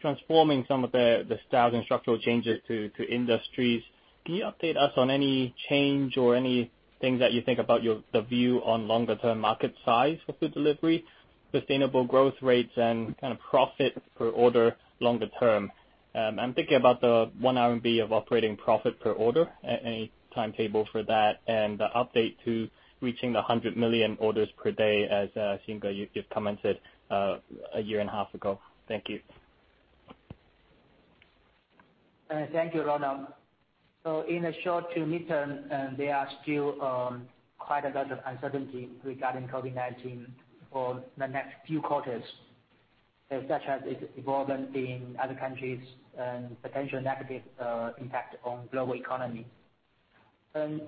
transforming some of the styles and structural changes to industries, can you update us on any change or any things that you think about the view on longer-term market size for food delivery, sustainable growth rates, and kind of profit per order longer term? I'm thinking about the one RMB of operating profit per order, any timetable for that, and the update to reaching the 100 million orders per day, as Xing, you've commented a year and a half ago. Thank you. Thank you, Ronald. So in the short to mid-term, there are still quite a lot of uncertainty regarding COVID-19 for the next few quarters, such as its involvement in other countries and potential negative impact on the global economy.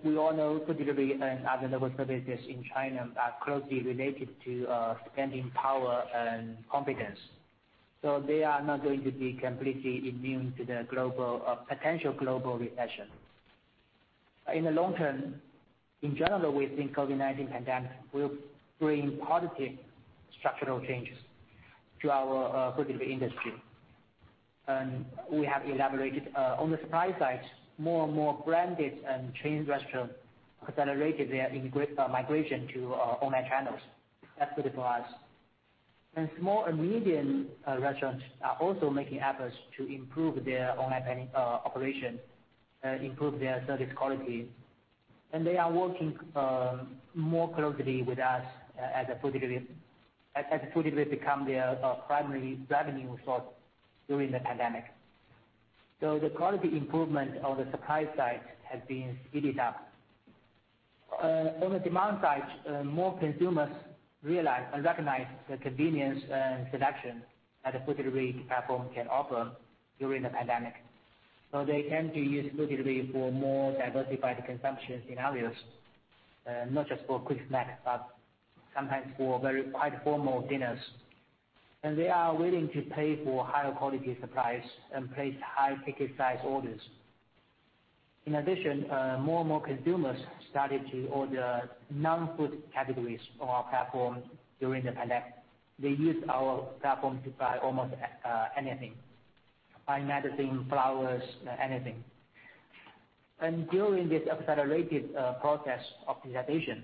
We all know food delivery and other local services in China are closely related to spending power and confidence. They are not going to be completely immune to the potential global recession. In the long term, in general, we think the COVID-19 pandemic will bring positive structural changes to our food delivery industry. We have elaborated on the supply side. More and more branded and chain restaurants accelerated their migration to online channels. That's good for us. Small and medium restaurants are also making efforts to improve their online operations and improve their service quality. They are working more closely with us as food delivery becomes their primary revenue source during the pandemic. The quality improvement on the supply side has been speeded up. On the demand side, more consumers realize and recognize the convenience and selection that the Food Delivery platform can offer during the pandemic. So they tend to use Food Delivery for more diversified consumption scenarios, not just for quick snacks, but sometimes for quite formal dinners. And they are willing to pay for higher-quality supplies and place high-ticket size orders. In addition, more and more consumers started to order non-food categories on our platform during the pandemic. They used our platform to buy almost anything: buying medicine, flowers, anything. And during this accelerated process of digitization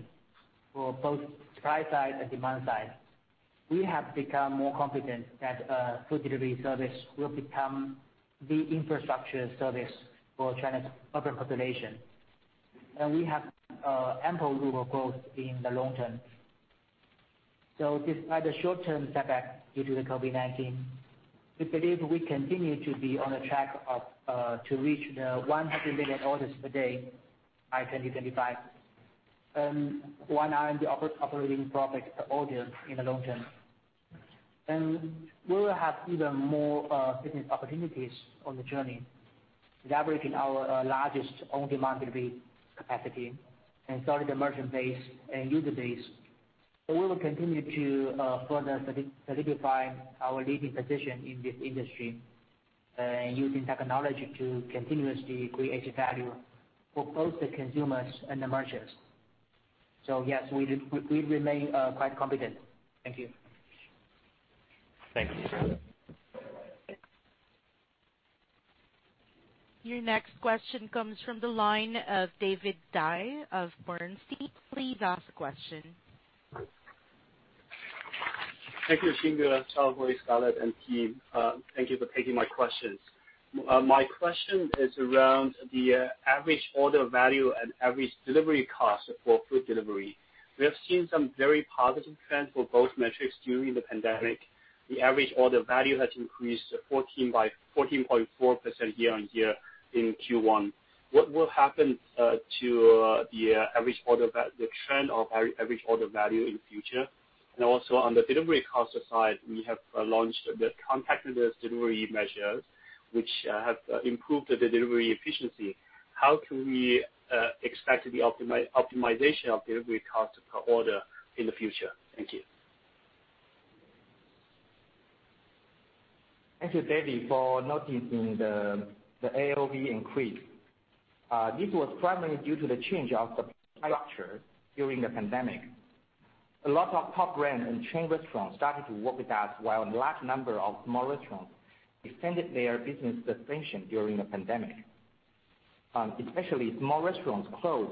for both supply side and demand side, we have become more confident that food delivery service will become the infrastructure service for China's urban population. And we have ample room for growth in the long term. So despite the short-term setback due to the COVID-19, we believe we continue to be on the track to reach the 100 million orders per day by 2025 and one RMB of operating profit per order in the long term. And we will have even more business opportunities on the journey, leveraging our largest on-demand delivery capacity and solid merchant base and user base. So we will continue to further solidify our leading position in this industry and using technology to continuously create value for both the consumers and the merchants. So yes, we remain quite confident. Thank you. Thank you. Your next question comes from the line of David Dai of Bernstein. Please ask a question. Thank you, Xing, Shaohui, Scarlett, and team. Thank you for taking my questions. My question is around the average order value and average delivery cost for food delivery. We have seen some very positive trends for both metrics during the pandemic. The average order value has increased 14.4% year-on-year in Q1. What will happen to the average order value, the trend of average order value in the future? And also on the delivery cost side, we have launched the contactless delivery measures, which have improved the delivery efficiency. How can we expect the optimization of delivery cost per order in the future? Thank you. Thank you, David, for noticing the AOV increase. This was primarily due to the change of the structure during the pandemic. A lot of top brands and chain restaurants started to work with us, while a large number of small restaurants extended their business suspension during the pandemic. Especially, small restaurants catering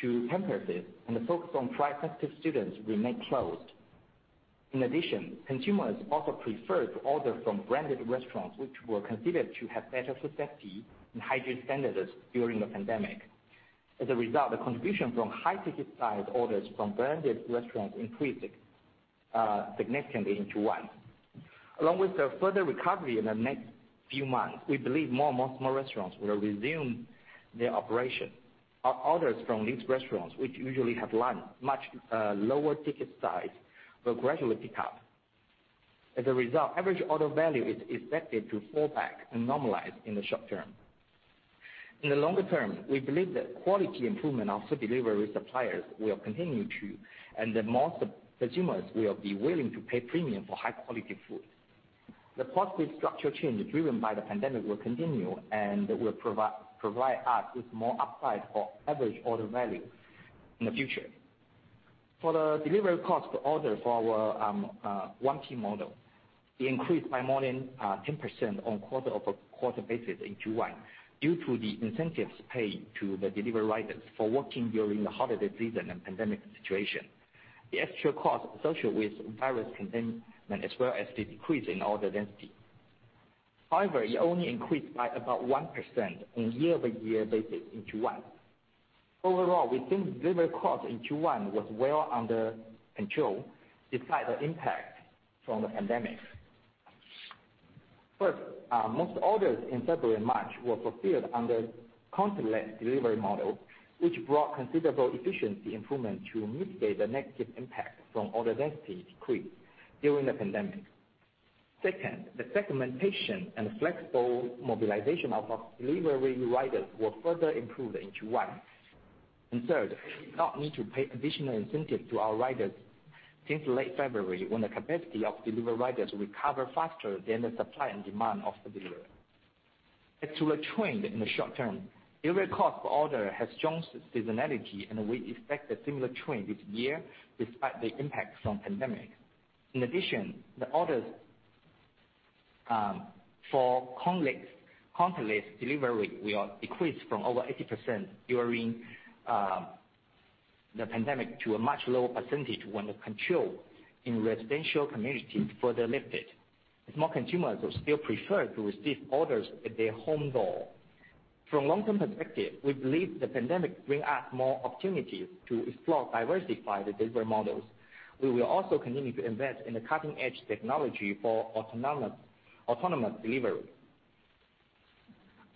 to price-sensitive students remained closed. In addition, consumers also preferred to order from branded restaurants, which were considered to have better food safety and hygiene standards during the pandemic. As a result, the contribution from high-ticket size orders from branded restaurants increased significantly in Q1. Along with the further recovery in the next few months, we believe more and more small restaurants will resume their operation. Our orders from local restaurants, which usually have much lower ticket size, will gradually pick up. As a result, average order value is expected to fall back and normalize in the short term. In the longer term, we believe that quality improvement of food delivery suppliers will continue to, and more consumers will be willing to pay premium for high-quality food. The positive structural change driven by the pandemic will continue and will provide us with more upside for average order value in the future. For the delivery cost per order for our 1P model, it increased by more than 10% on quarter-over-quarter basis in Q1 due to the incentives paid to the delivery riders for working during the holiday season and pandemic situation, the extra cost associated with virus containment, as well as the decrease in order density. However, it only increased by about 1% on a year-over-year basis in Q1. Overall, we think delivery cost in Q1 was well under control despite the impact from the pandemic. First, most orders in February and March were fulfilled under contactless delivery model, which brought considerable efficiency improvement to mitigate the negative impact from order density decrease during the pandemic. Second, the segmentation and flexible mobilization of delivery riders were further improved in Q1. Third, we did not need to pay additional incentives to our riders since late February when the capacity of delivery riders recovered faster than the supply and demand of the delivery. Extra training in the short term, delivery cost per order has shown seasonality, and we expect a similar trend this year despite the impact from the pandemic. In addition, the orders for contactless delivery will decrease from over 80% during the pandemic to a much lower percentage when the control in residential communities further lifted. Some consumers will still prefer to receive orders at their home door. From a long-term perspective, we believe the pandemic brings us more opportunities to explore diversified delivery models. We will also continue to invest in the cutting-edge technology for autonomous delivery.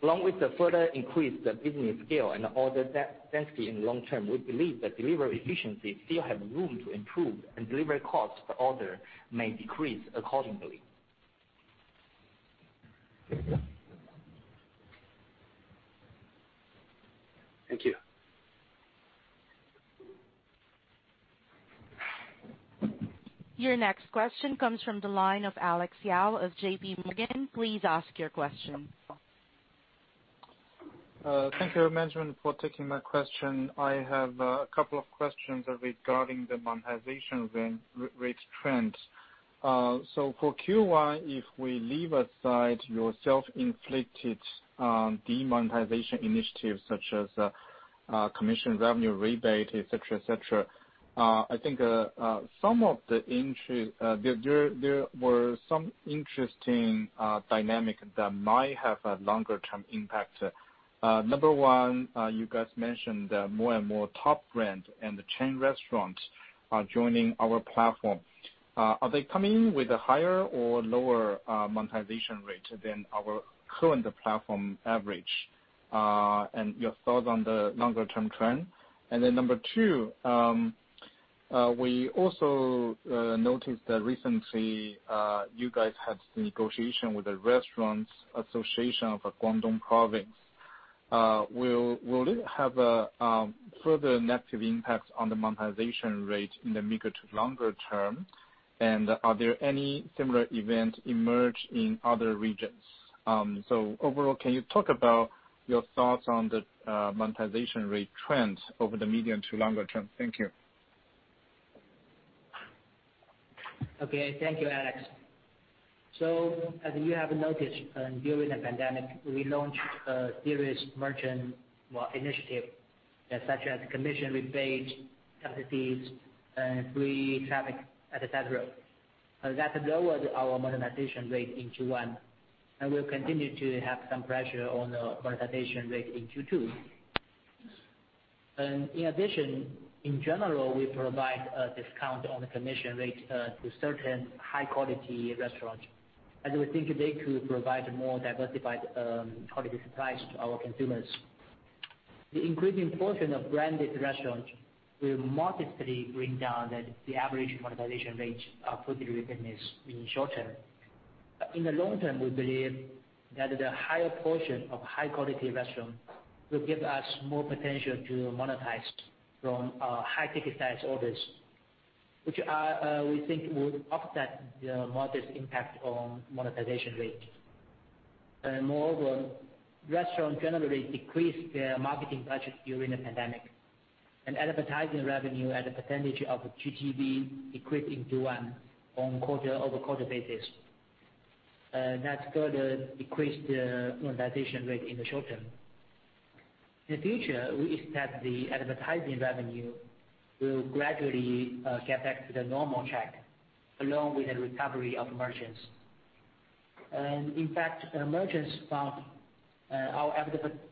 Along with the further increase of business scale and order density in the long term, we believe that delivery efficiency still has room to improve, and delivery cost per order may decrease accordingly. Thank you. Your next question comes from the line of Alex Yao of JPMorgan. Please ask your question. Thank you, Management, for taking my question. I have a couple of questions regarding the monetization rate trends. So for Q1, if we leave aside your self-inflicted demonetization initiatives such as commission revenue rebate, etc., etc., I think some of the interesting there were some interesting dynamics that might have a longer-term impact. Number one, you guys mentioned more and more top brands and chain restaurants are joining our platform. Are they coming with a higher or lower monetization rate than our current platform average? And your thoughts on the longer-term trend? And then number two, we also noticed that recently you guys had the negotiation with the Restaurant Association of the Guangdong Province. Will it have a further negative impact on the monetization rate in the medium to longer term? And are there any similar events emerging in other regions? So overall, can you talk about your thoughts on the monetization rate trend over the medium to longer term? Thank you. Okay. Thank you, Alex. So as you have noticed, during the pandemic, we launched a series of merchant initiatives such as commission rebates, subsidies, and free traffic, etc. That lowered our monetization rate in Q1. And we'll continue to have some pressure on the monetization rate in Q2. And in addition, in general, we provide a discount on the commission rate to certain high-quality restaurants, as we think they could provide more diversified quality supplies to our consumers. The increasing portion of branded restaurants will modestly bring down the average monetization rate of Food Delivery business in the short term. In the long term, we believe that the higher portion of high-quality restaurants will give us more potential to monetize from high-ticket size orders, which we think will offset the modest impact on monetization rate. Moreover, restaurants generally decreased their marketing budget during the pandemic, and advertising revenue at a percentage of GTV decreased in Q1 on quarter-over-quarter basis. That further decreased the monetization rate in the short term. In the future, we expect the advertising revenue will gradually get back to the normal track along with the recovery of merchants, and in fact, merchants found our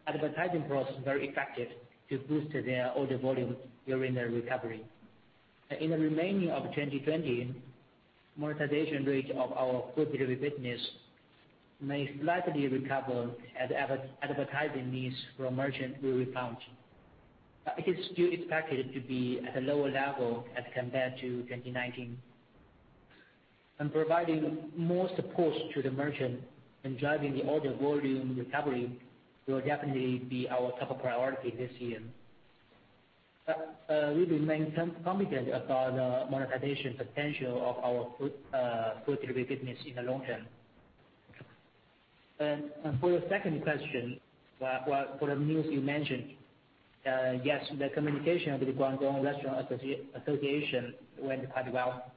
advertising process very effective to boost their order volume during the recovery. In the remainder of 2020, the monetization rate of our Food Delivery business may slightly recover as advertising needs for merchants will rebound. It is still expected to be at a lower level as compared to 2019, and providing more support to the merchants and driving the order volume recovery will definitely be our top priority this year. We remain confident about the monetization potential of our Food Delivery business in the long term, and for your second question, for the news you mentioned, yes, the communication with the Guangdong Restaurant Association went quite well.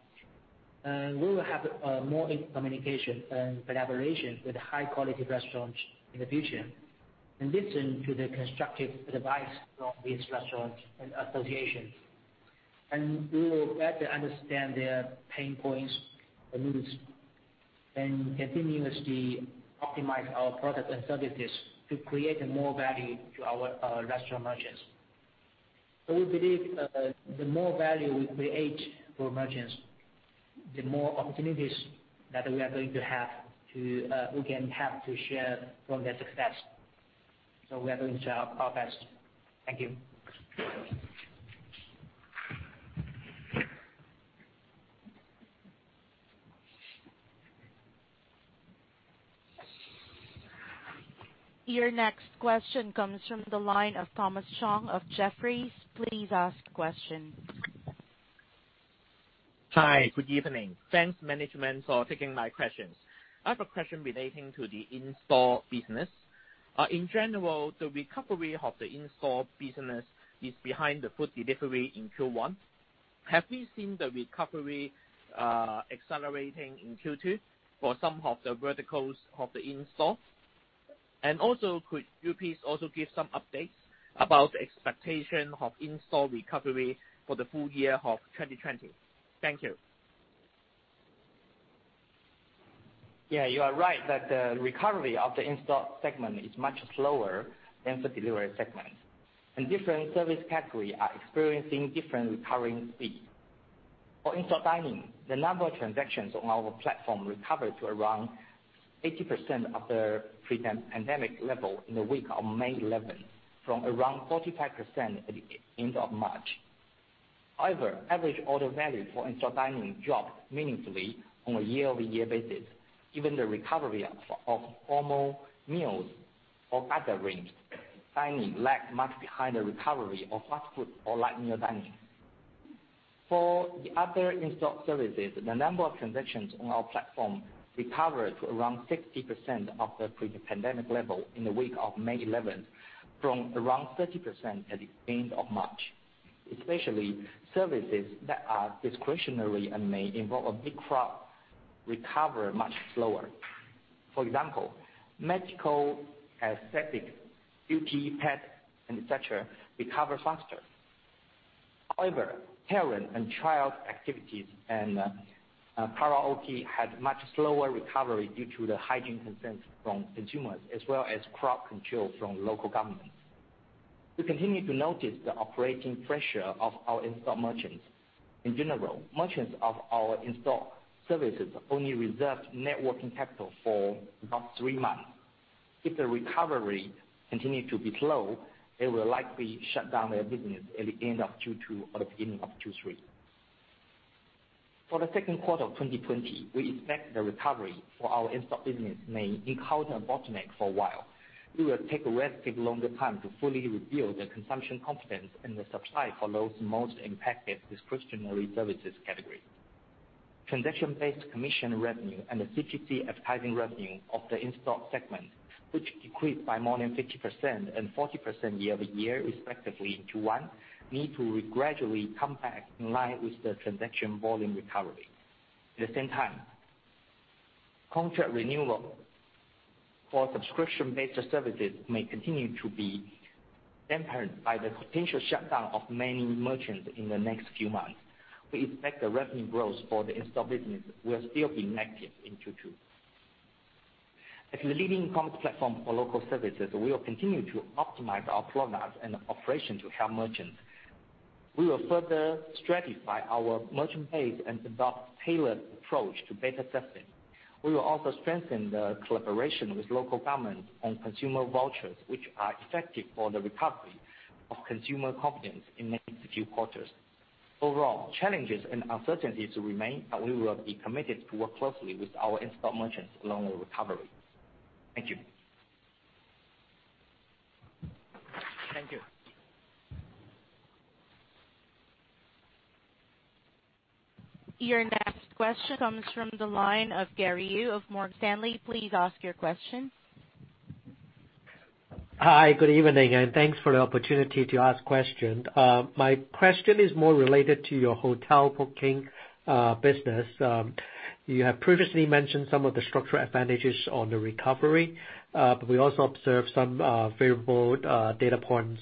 We will have more communication and collaboration with high-quality restaurants in the future, in addition to the constructive advice from these restaurants and associations, and we will better understand their pain points and needs and continuously optimize our products and services to create more value to our restaurant merchants. So we believe the more value we create for merchants, the more opportunities that we are going to have to again have to share from their success. So we are going to try our best. Thank you. Your next question comes from the line of Thomas Chong of Jefferies. Please ask a question. Hi. Good evening. Thanks, Management, for taking my questions. I have a question relating to the In-Store business. In general, the recovery of the In-Store business is behind the food delivery in Q1. Have we seen the recovery accelerating in Q2 for some of the verticals of the In-Store? And also, could you please also give some updates about the expectation of In-Store recovery for the full year of 2020? Thank you. Yeah, you are right that the recovery of the In-Store segment is much slower than the delivery segment. And different service categories are experiencing different recovery speeds. For In-Store Dining, the number of transactions on our platform recovered to around 80% of the pre-pandemic level in the week of May 11, from around 45% at the end of March. However, average order value for In-Store Dining dropped meaningfully on a year-over-year basis, given the recovery of formal meals or other things. Dining lagged much behind the recovery of fast food or light meal dining. For the other In-Store services, the number of transactions on our platform recovered to around 60% of the pre-pandemic level in the week of May 11, from around 30% at the end of March. Especially, services that are discretionary and may involve a big crowd recover much slower. For example, medical, aesthetic, beauty, pets, etc. recover faster. However, parent and child activities and karaoke had much slower recovery due to the hygiene concerns from consumers, as well as crowd control from local governments. We continue to notice the operating pressure of our In-Store merchants. In general, merchants of our In-Store services only reserved working capital for about three months. If the recovery continues to be slow, they will likely shut down their business at the end of Q2 or the beginning of Q3. For the Q2 of 2020, we expect the recovery for our In-Store business may encounter a bottleneck for a while. It will take a relatively longer time to fully rebuild the consumer confidence and the supply for those most impacted discretionary services categories. Transaction-based commission revenue and the CPC advertising revenue of the In-Store segment, which decreased by more than 50% and 40% year-over-year respectively in Q1, need to gradually come back in line with the transaction volume recovery. At the same time, contract renewal for subscription-based services may continue to be tempered by the potential shutdown of many merchants in the next few months. We expect the revenue growth for the In-Store business will still be negative in Q2. As the leading commerce platform for local services, we will continue to optimize our products and operations to help merchants. We will further stratify our merchant base and adopt a tailored approach to better testing. We will also strengthen the collaboration with local governments on consumer vouchers, which are effective for the recovery of consumer confidence in the next few quarters. Overall, challenges and uncertainties remain, but we will be committed to work closely with our In-Store merchants along with recovery. Thank you. Thank you. Your next question comes from the line of Gary Yu of Morgan Stanley. Please ask your question. Hi. Good evening, and thanks for the opportunity to ask a question. My question is more related to your hotel booking business. You have previously mentioned some of the structural advantages on the recovery, but we also observed some favorable data points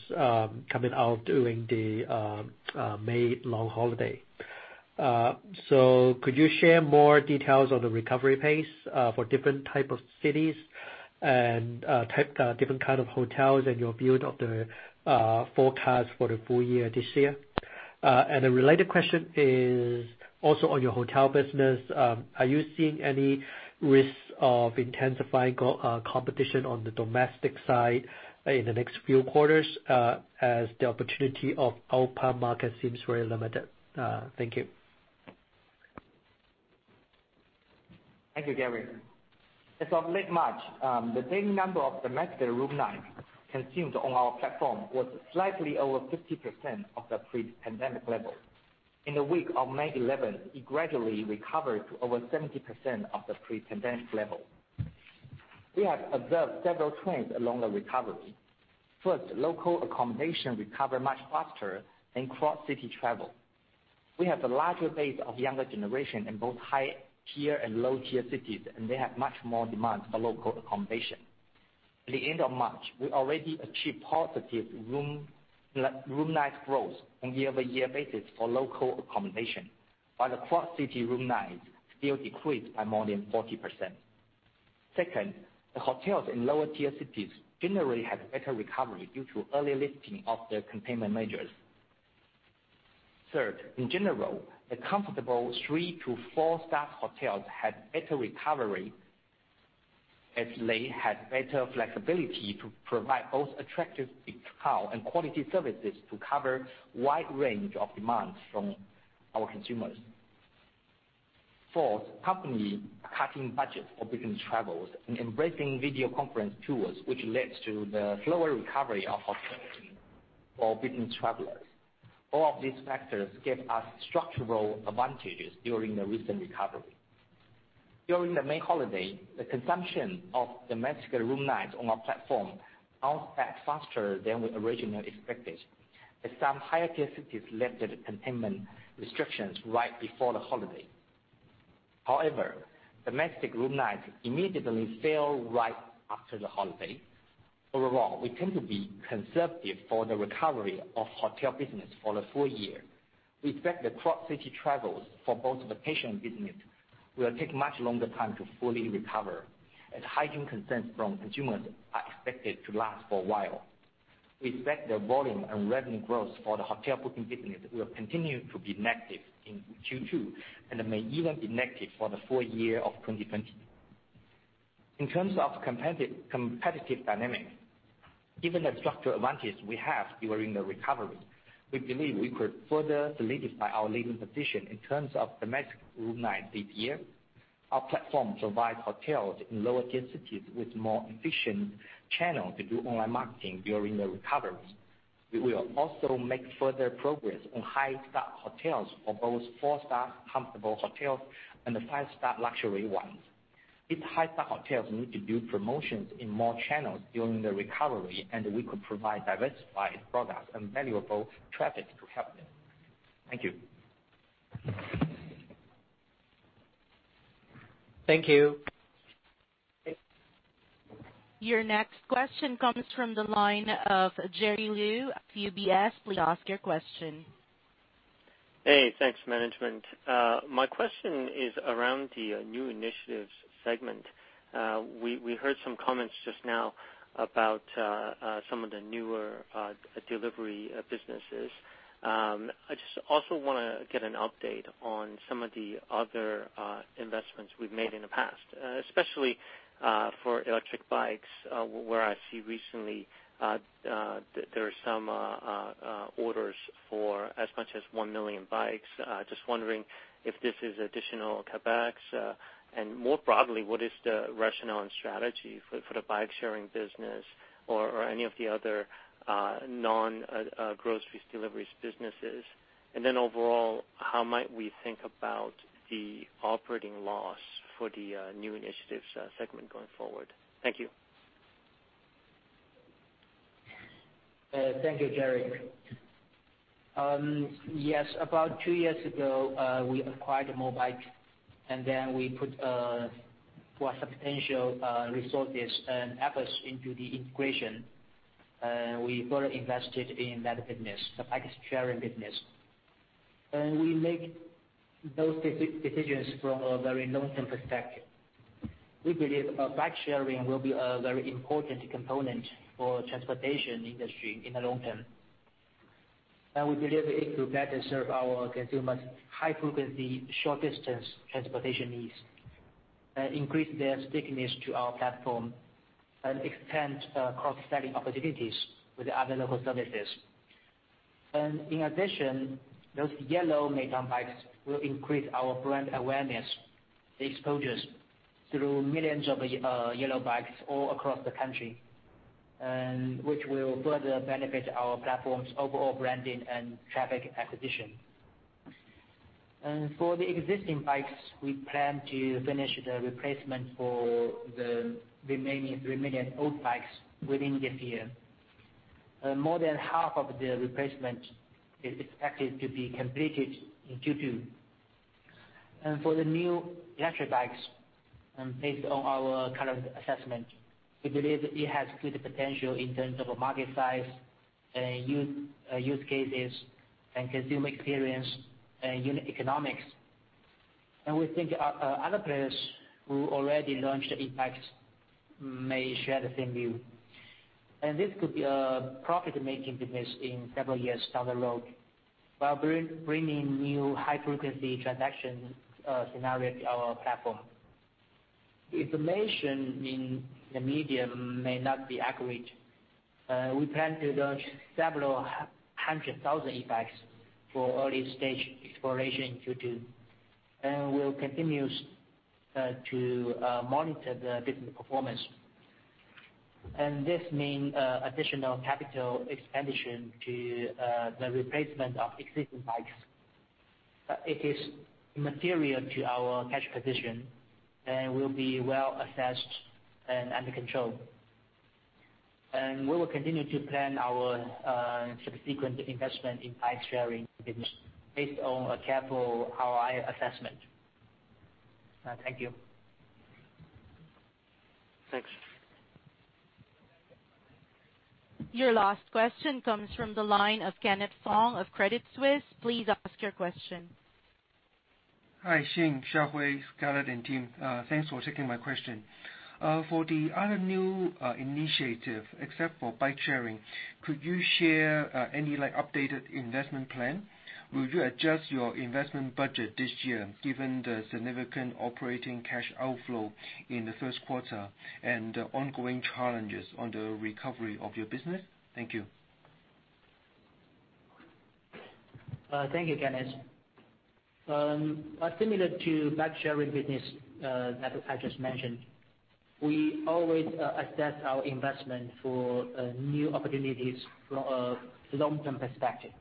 coming out during the May long holiday. So could you share more details on the recovery pace for different types of cities and different kinds of hotels and your view of the forecast for the full year this year? And a related question is also on your Hotel business. Are you seeing any risks of intensifying competition on the domestic side in the next few quarters as the opportunity of outbound markets seems very limited? Thank you. Thank you, Gary. As of late March, the daily number of domestic room nights consumed on our platform was slightly over 50% of the pre-pandemic level. In the week of May 11, it gradually recovered to over 70% of the pre-pandemic level. We have observed several trends along the recovery. First, local accommodation recovered much faster than cross-city travel. We have a larger base of younger generation in both high-tier and low-tier cities, and they have much more demand for local accommodation. At the end of March, we already achieved positive room night growth on a year-over-year basis for local accommodation, while the cross-city room nights still decreased by more than 40%. Second, the hotels in lower-tier cities generally had better recovery due to early lifting of their containment measures. Third, in general, the comfortable three- to four-star hotels had better recovery as they had better flexibility to provide both attractive hotel and quality services to cover a wide range of demands from our consumers. Fourth, companies are cutting budgets for business travels and embracing video conference tools, which led to the slower recovery of hotels for business travelers. All of these factors gave us structural advantages during the recent recovery. During the May holiday, the consumption of domestic room nights on our platform bounced back faster than we originally expected as some higher-tier cities lifted containment restrictions right before the holiday. However, domestic room nights immediately fell right after the holiday. Overall, we tend to be conservative for the recovery of Hotel business for the full year. We expect the cross-city travels for both vacation businesses will take much longer time to fully recover as hygiene concerns from consumers are expected to last for a while. We expect the volume and revenue growth for the hotel booking business will continue to be negative in Q2 and may even be negative for the full year of 2020. In terms of competitive dynamics, given the structural advantages we have during the recovery, we believe we could further solidify our leading position in terms of domestic room nights this year. Our platform provides hotels in lower-tier cities with more efficient channels to do online marketing during the recovery. We will also make further progress on high-star hotels for both four-star comfortable hotels and the five-star luxury ones. These high-star hotels need to do promotions in more channels during the recovery, and we could provide diversified products and valuable traffic to help them. Thank you. Thank you. Your next question comes from the line of Jerry Liu of UBS. Please ask your question. Hey. Thanks, Management. My question is around the New Initiatives segment. We heard some comments just now about some of the newer delivery businesses. I just also want to get an update on some of the other investments we've made in the past, especially for electric bikes, where I see recently there are some orders for as much as one million bikes. Just wondering if this is additional CapEx, and more broadly, what is the rationale and strategy for the bike-sharing business or any of the other non-grocery deliveries businesses? Overall, how might we think about the operating loss for the New Initiatives segment going forward? Thank you. Thank you, Gary. Yes. About two years ago, we acquired Mobike, and then we put our substantial resources and efforts into the integration, and we further invested in that business, the bike-sharing business. We make those decisions from a very long-term perspective. We believe bike-sharing will be a very important component for the transportation industry in the long term. We believe it could better serve our consumers' high-frequency, short-distance transportation needs, increase their stickiness to our platform, and expand cross-selling opportunities with other local services. In addition, those yellow Meituan bikes will increase our brand awareness, the exposure through millions of yellow bikes all across the country, which will further benefit our platform's overall branding and traffic acquisition. For the existing bikes, we plan to finish the replacement for the remaining old bikes within this year. More than half of the replacement is expected to be completed in Q2. For the new electric bikes, based on our current assessment, we believe it has good potential in terms of market size and use cases and consumer experience and unit economics. We think other players who already launched the Impact may share the same view. This could be a profit-making business in several years down the road while bringing new high-frequency transaction scenarios to our platform. The information in the media may not be accurate. We plan to launch several hundred thousand Impacts for early-stage exploration in Q2, and we'll continue to monitor the business performance. This means additional capital expenditure to the replacement of existing bikes. It is material to our cash position and will be well assessed and under control. And we will continue to plan our subsequent investment in bike-sharing business based on a careful ROI assessment. Thank you. Thanks. Your last question comes from the line of Kenneth Fong of Credit Suisse. Please ask your question. Hi. Xing, Shaohui, Scarlett, and team. Thanks for taking my question. For the other New Initiative, except for bike-sharing, could you share any updated investment plan? Will you adjust your investment budget this year given the significant operating cash outflow in the Q1 and the ongoing challenges on the recovery of your business? Thank you. Thank you, Kenneth. Similar to bike-sharing business that I just mentioned, we always assess our investment for new opportunities from a long-term perspective.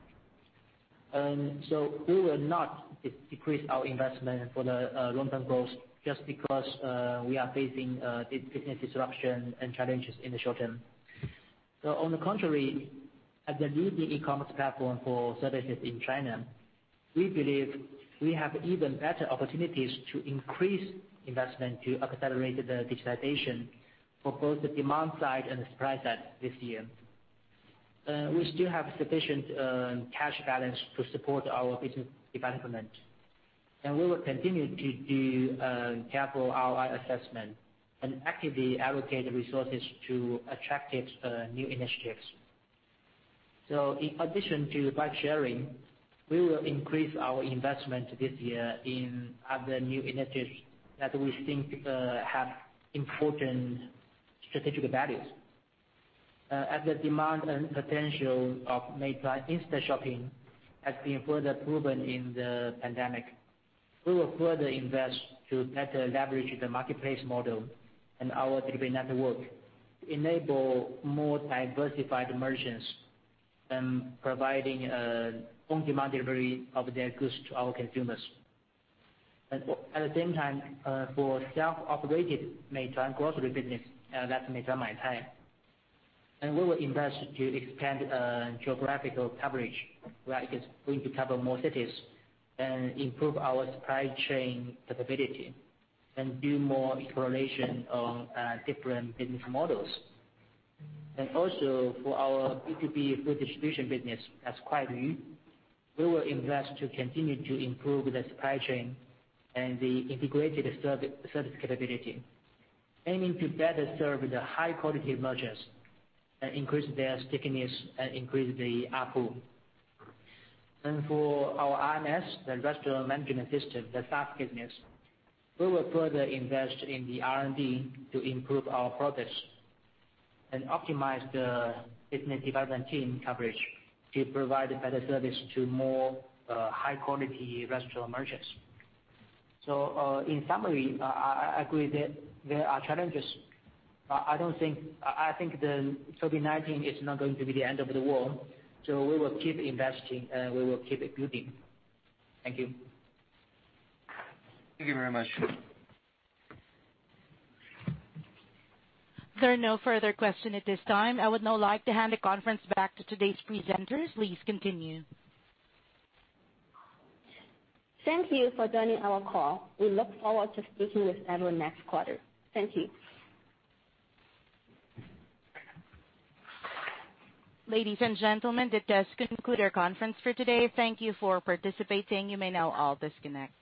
And so we will not decrease our investment for the long-term growth just because we are facing business disruption and challenges in the short term. So on the contrary, as a leading e-commerce platform for services in China, we believe we have even better opportunities to increase investment to accelerate the digitization for both the demand side and the supply side this year. We still have sufficient cash balance to support our business development, and we will continue to do careful ROI assessment and actively allocate resources to attractive New Initiatives. So in addition to bike-sharing, we will increase our investment this year in other New Initiatives that we think have important strategic values. As the demand and potential of Meituan Instashopping has been further proven in the pandemic, we will further invest to better leverage the marketplace model and our delivery network to enable more diversified merchants in providing on-demand delivery of their goods to our consumers, and at the same time, for self-operated Meituan Grocery business, that's Meituan Maicai, and we will invest to expand geographical coverage where it is going to cover more cities and improve our supply chain capability and do more exploration on different business models, and also for our B2B food distribution business, that's Kuailv, we will invest to continue to improve the supply chain and the integrated service capability, aiming to better serve the high-quality merchants and increase their stickiness and increase the output. And for our RMS, the Restaurant Management System, the SaaS business, we will further invest in the R&D to improve our products and optimize the business development team coverage to provide better service to more high-quality restaurant merchants. So in summary, I agree that there are challenges. I think the COVID-19 is not going to be the end of the world, so we will keep investing and we will keep building. Thank you. Thank you very much. There are no further questions at this time. I would now like to hand the conference back to today's presenters. Please continue. Thank you for joining our call. We look forward to speaking with everyone next quarter. Thank you. Ladies and gentlemen, this does conclude our conference for today. Thank you for participating. You may now all disconnect.